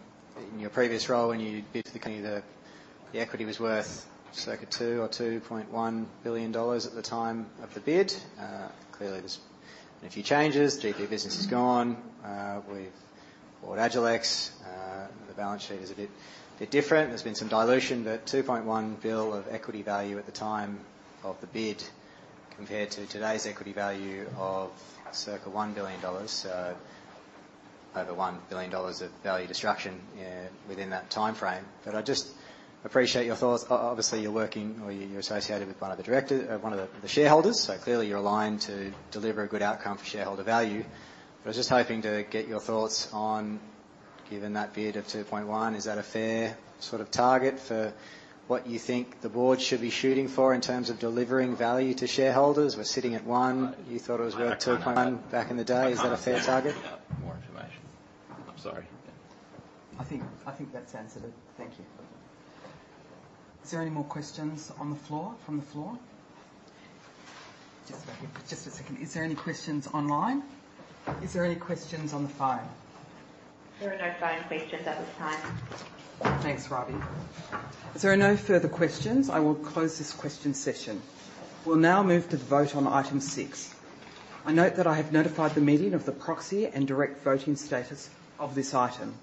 in your previous role, when you bid for the company, the equity was worth circa 2 or 2.1 billion dollars at the time of the bid. Clearly, there's been a few changes. GP business is gone. We've bought Agilex. The balance sheet is a bit different. There's been some dilution, but 2.1 billion of equity value at the time of the bid, compared to today's equity value of circa 1 billion dollars. So over 1 billion dollars of value destruction within that timeframe. But I just appreciate your thoughts. Obviously, you're working or you're associated with one of the directors, one of the shareholders, so clearly you're aligned to deliver a good outcome for shareholder value. I was just hoping to get your thoughts on, given that bid of 2.1, is that a fair sort of target for what you think the board should be shooting for in terms of delivering value to shareholders? We're sitting at 1. You thought it was worth 2.1- I can't- back in the day. Is that a fair target?... I'd have to have more information. I'm sorry. I think, I think that's answered it. Thank you. Is there any more questions on the floor, from the floor? Just a second. Just a second. Is there any questions online? Is there any questions on the phone? There are no phone questions at this time. Thanks, Ravi. If there are no further questions, I will close this question session. We'll now move to the vote on item six. I note that I have notified the meeting of the proxy and direct voting status of this item.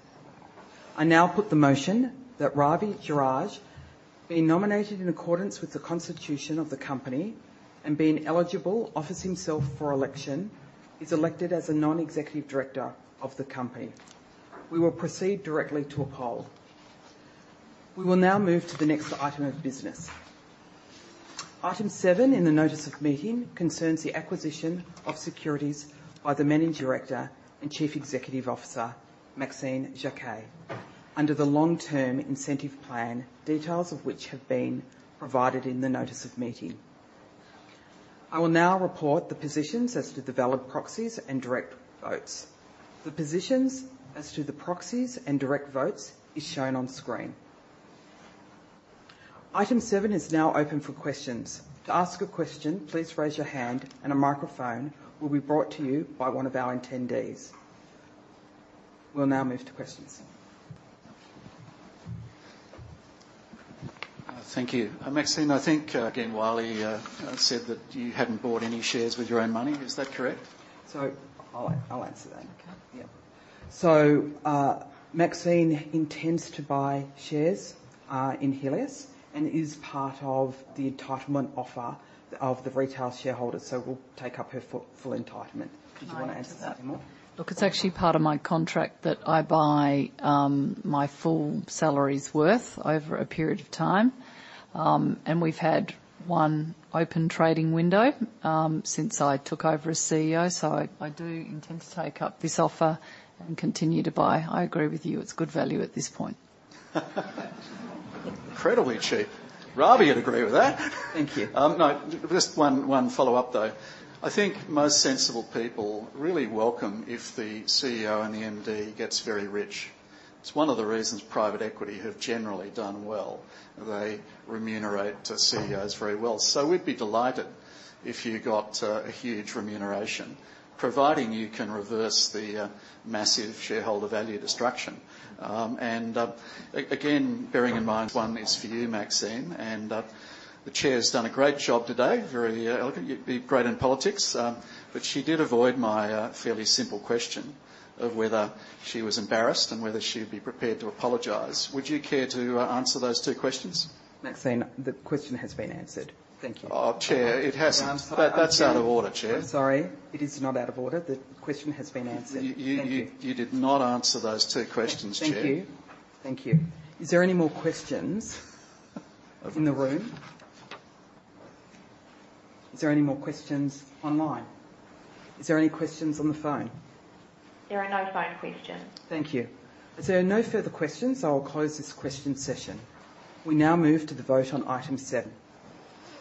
I now put the motion that Ravi Jeyaraj, being nominated in accordance with the constitution of the company and being eligible, offers himself for election, is elected as a non-executive director of the company. We will proceed directly to a poll. We will now move to the next item of business. Item seven in the notice of meeting concerns the acquisition of securities by the Managing Director and Chief Executive Officer, Maxine Jaquet, under the Long Term Incentive Plan, details of which have been provided in the notice of meeting. I will now report the positions as to the valid proxies and direct votes. The positions as to the proxies and direct votes is shown on screen. Item seven is now open for questions. To ask a question, please raise your hand and a microphone will be brought to you by one of our attendees. We'll now move to questions. Thank you. Maxine, I think, again, what he said that you hadn't bought any shares with your own money. Is that correct? I'll, I'll answer that. Okay. Yeah. So, Maxine intends to buy shares in Healius and is part of the entitlement offer of the retail shareholders, so will take up her full, full entitlement. Do you want to add to that more? Look, it's actually part of my contract that I buy my full salary's worth over a period of time. And we've had one open trading window since I took over as CEO. So I do intend to take up this offer and continue to buy. I agree with you, it's good value at this point. Incredibly cheap. Ravi would agree with that. Thank you. No, just one follow-up, though. I think most sensible people really welcome if the CEO and the MD gets very rich. It's one of the reasons private equity have generally done well. They remunerate the CEOs very well. So we'd be delighted if you got a huge remuneration, providing you can reverse the massive shareholder value destruction. And again, bearing in mind, one is for you, Maxine, and the chair's done a great job today, very elegant. You'd be great in politics. But she did avoid my fairly simple question of whether she was embarrassed and whether she'd be prepared to apologize. Would you care to answer those two questions? Maxine, the question has been answered. Thank you. Oh, Chair, it hasn't. Answer- That, that's out of order, Chair. I'm sorry. It is not out of order. The question has been answered. You, you, you- Thank you. You did not answer those two questions, Chair. Thank you. Thank you. Is there any more questions in the room? Is there any more questions online? Is there any questions on the phone? There are no phone questions. Thank you. As there are no further questions, I will close this question session. We now move to the vote on item seven.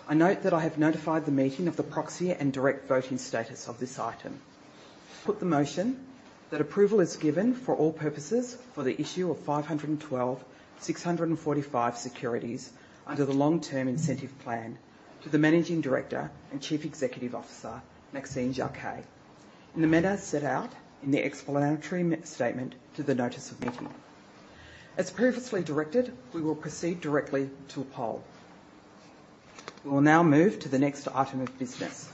I note that I have notified the meeting of the proxy and direct voting status of this item. Put the motion that approval is given for all purposes for the issue of 512,645 securities under the Long Term Incentive Plan to the Managing Director and Chief Executive Officer, Maxine Jaquet, in the manner set out in the explanatory statement to the notice of meeting. As previously directed, we will proceed directly to a poll. We will now move to the next item of business.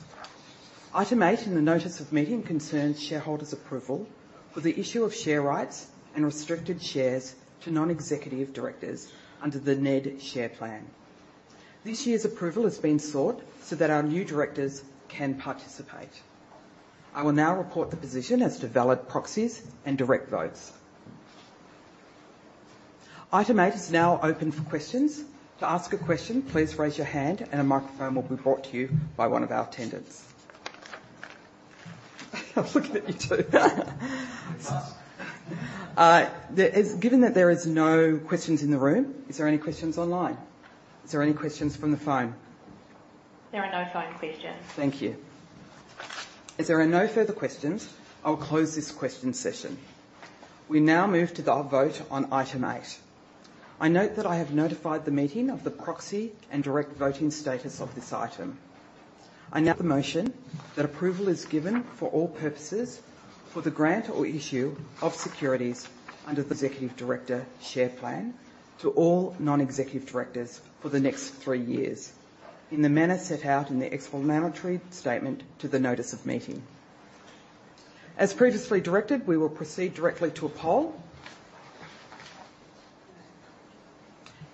Item eight in the notice of meeting concerns shareholders' approval for the issue of share rights and restricted shares to non-executive directors under the NED Share Plan. This year's approval has been sought so that our new directors can participate. I will now report the position as to valid proxies and direct votes. Item eight is now open for questions. To ask a question, please raise your hand and a microphone will be brought to you by one of our attendants. I'm looking at you two. Given that there is no questions in the room, is there any questions online? Is there any questions from the phone? There are no phone questions. Thank you. As there are no further questions, I'll close this question session. We now move to the vote on item eight. I note that I have notified the meeting of the proxy and direct voting status of this item. I now move the motion that approval is given for all purposes for the grant or issue of securities under the Non-Executive Director Share Plan to all non-executive directors for the next three years, in the manner set out in the explanatory statement to the notice of meeting. As previously directed, we will proceed directly to a poll.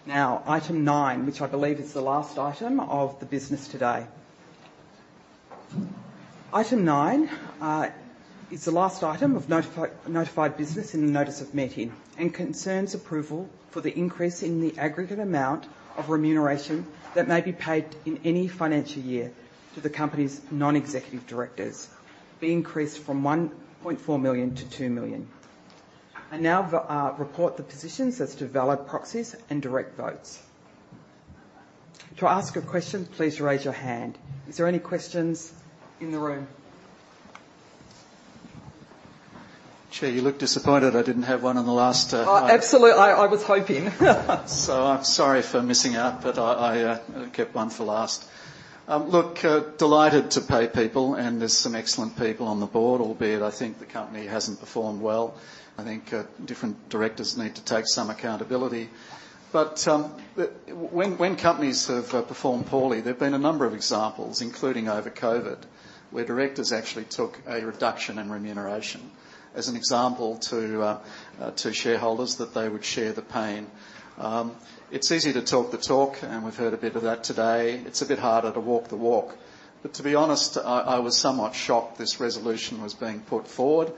Now, item nine, which I believe is the last item of the business today. Item nine is the last item of notified business in the notice of meeting and concerns approval for the increase in the aggregate amount of remuneration that may be paid in any financial year to the company's non-executive directors, be increased from 1.4 million to 2 million. I now report the positions as to valid proxies and direct votes. To ask a question, please raise your hand. Is there any questions in the room? Chair, you look disappointed I didn't have one on the last item. Oh, absolutely, I was hoping. So I'm sorry for missing out, but I, I, kept one for last. Look, delighted to pay people, and there's some excellent people on the board, albeit I think the company hasn't performed well. I think, different directors need to take some accountability. But, the, when, when companies have, performed poorly, there have been a number of examples, including over COVID, where directors actually took a reduction in remuneration as an example to, to shareholders that they would share the pain. It's easy to talk the talk, and we've heard a bit of that today. It's a bit harder to walk the walk. But to be honest, I, I was somewhat shocked this resolution was being put forward.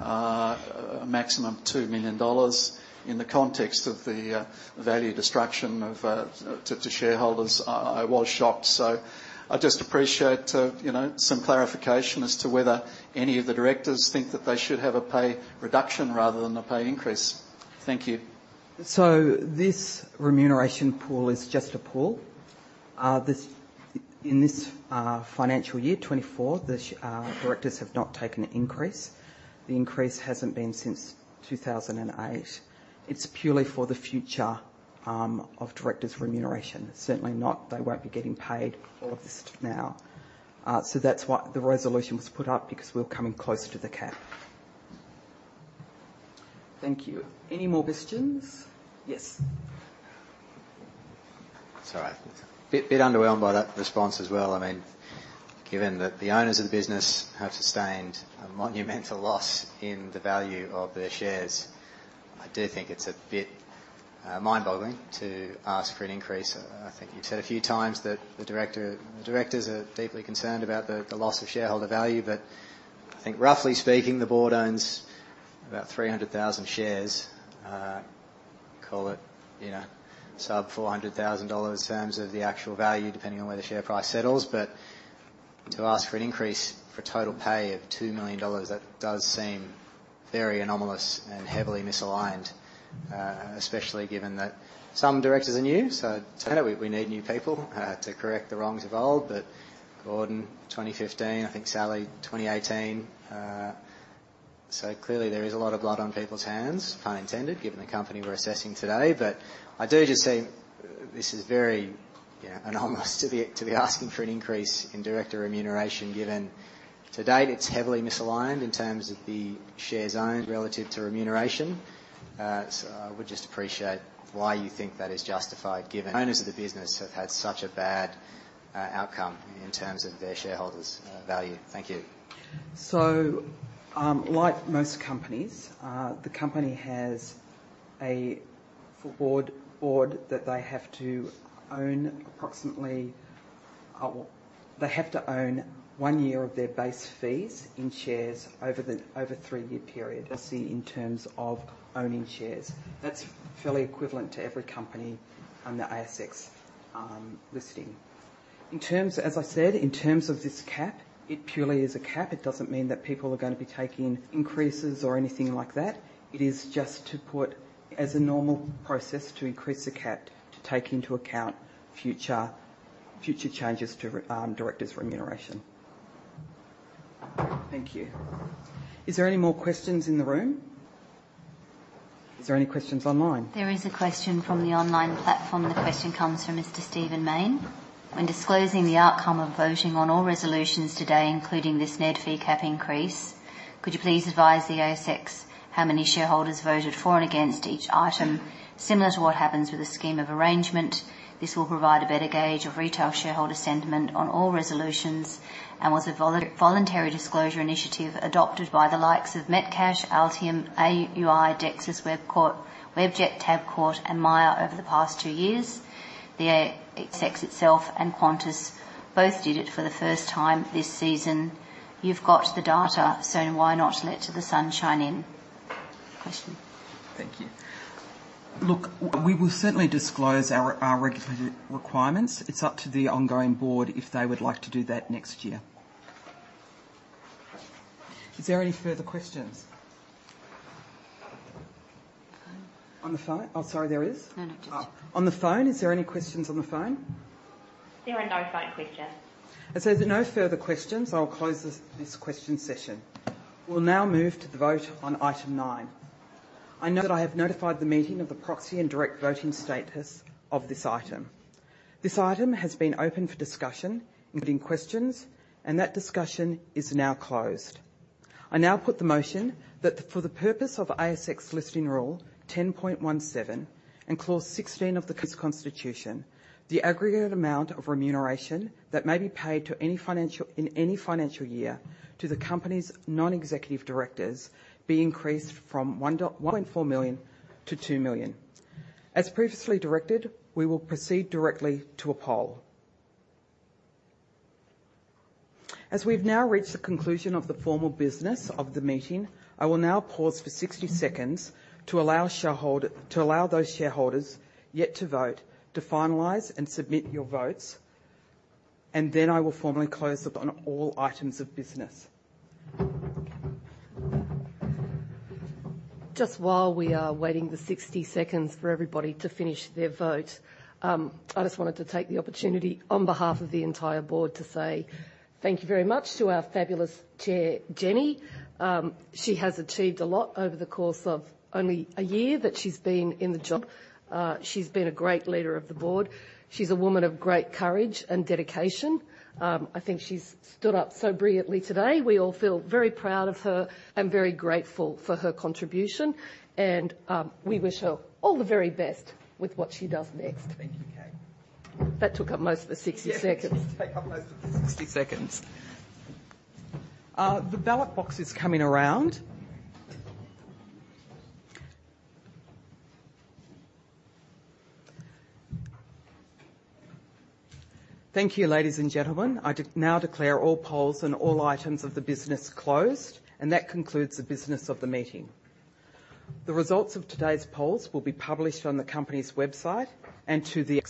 A maximum 2 million dollars in the context of the value destruction to shareholders, I was shocked. So I'd just appreciate, you know, some clarification as to whether any of the directors think that they should have a pay reduction rather than a pay increase. Thank you. So this remuneration pool is just a pool. In this financial year 2024, the directors have not taken an increase. The increase hasn't been since 2008. It's purely for the future of directors' remuneration. Certainly not, they won't be getting paid all of this now. So that's why the resolution was put up, because we're coming closer to the cap. Thank you. Any more questions? Yes. A bit, a bit underwhelmed by that response as well. I mean, given that the owners of the business have sustained a monumental loss in the value of their shares, I do think it's a bit, mind-boggling to ask for an increase. I think you've said a few times that the director, the directors are deeply concerned about the loss of shareholder value, but I think roughly speaking, the board owns about 300,000 shares. Call it, you know, sub 400,000 dollars in terms of the actual value, depending on where the share price settles. But to ask for an increase for total pay of 2 million dollars, that does seem very anomalous and heavily misaligned, especially given that some directors are new. So today, we need new people to correct the wrongs of old, but Gordon, 2015, I think Sally, 2018. So clearly there is a lot of blood on people's hands, pun intended, given the company we're assessing today. But I do just see this is very, you know, anomalous to be asking for an increase in director remuneration, given to date, it's heavily misaligned in terms of the shares owned relative to remuneration. So I would just appreciate why you think that is justified, given owners of the business have had such a bad outcome in terms of their shareholders' value. Thank you. So, like most companies, the company has a board that they have to own approximately... Well, they have to own one year of their base fees in shares over a three-year period, let's say, in terms of owning shares. That's fairly equivalent to every company on the ASX listing. As I said, in terms of this cap, it purely is a cap. It doesn't mean that people are gonna be taking increases or anything like that. It is just to put as a normal process to increase the cap, to take into account future changes to directors' remuneration. Thank you. Is there any more questions in the room? Is there any questions online? There is a question from the online platform. The question comes from Mr. Stephen Mayne: "When disclosing the outcome of voting on all resolutions today, including this ned fee cap increase, could you please advise the ASX how many shareholders voted for and against each item? Similar to what happens with a scheme of arrangement, this will provide a better gauge of retail shareholder sentiment on all resolutions, and was a voluntary disclosure initiative adopted by the likes of Metcash, Altium, AUI, Dexus, Webcentral, Webjet, Tabcorp, and Myer over the past two years. The ASX itself and Qantas both did it for the first time this season. You've got the data, so why not let the sun shine in?" Question. Thank you. Look, we will certainly disclose our regulatory requirements. It's up to the ongoing board if they would like to do that next year. Is there any further questions? On the phone. On the phone? Oh, sorry, there is? No, no, just- Oh, on the phone, is there any questions on the phone? There are no phone questions. As there are no further questions, I'll close this question session. We'll now move to the vote on item 9. I know that I have notified the meeting of the proxy and direct voting status of this item. This item has been open for discussion, including questions, and that discussion is now closed. I now put the motion that for the purpose of ASX listing rule 10.17 and clause 16 of the Constitution, the aggregate amount of remuneration that may be paid to any financial, in any financial year to the company's non-executive directors be increased from 1.4 million to 2 million. As previously directed, we will proceed directly to a poll. As we've now reached the conclusion of the formal business of the meeting, I will now pause for 60 seconds to allow those shareholders yet to vote to finalize and submit your votes, and then I will formally close up on all items of business. Just while we are waiting the 60 seconds for everybody to finish their vote, I just wanted to take the opportunity, on behalf of the entire board, to say thank you very much to our fabulous Chair, Jenny. She has achieved a lot over the course of only a year that she's been in the job. She's been a great leader of the board. She's a woman of great courage and dedication. I think she's stood up so brilliantly today. We all feel very proud of her and very grateful for her contribution, and we wish her all the very best with what she does next. Thank you, Kate. That took up most of the 60 seconds. Yes, it took up most of the 60 seconds. The ballot box is coming around. Thank you, ladies and gentlemen. I now declare all polls and all items of the business closed, and that concludes the business of the meeting. The results of today's polls will be published on the company's website and to the...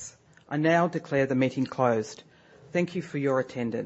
I now declare the meeting closed. Thank you for your attendance.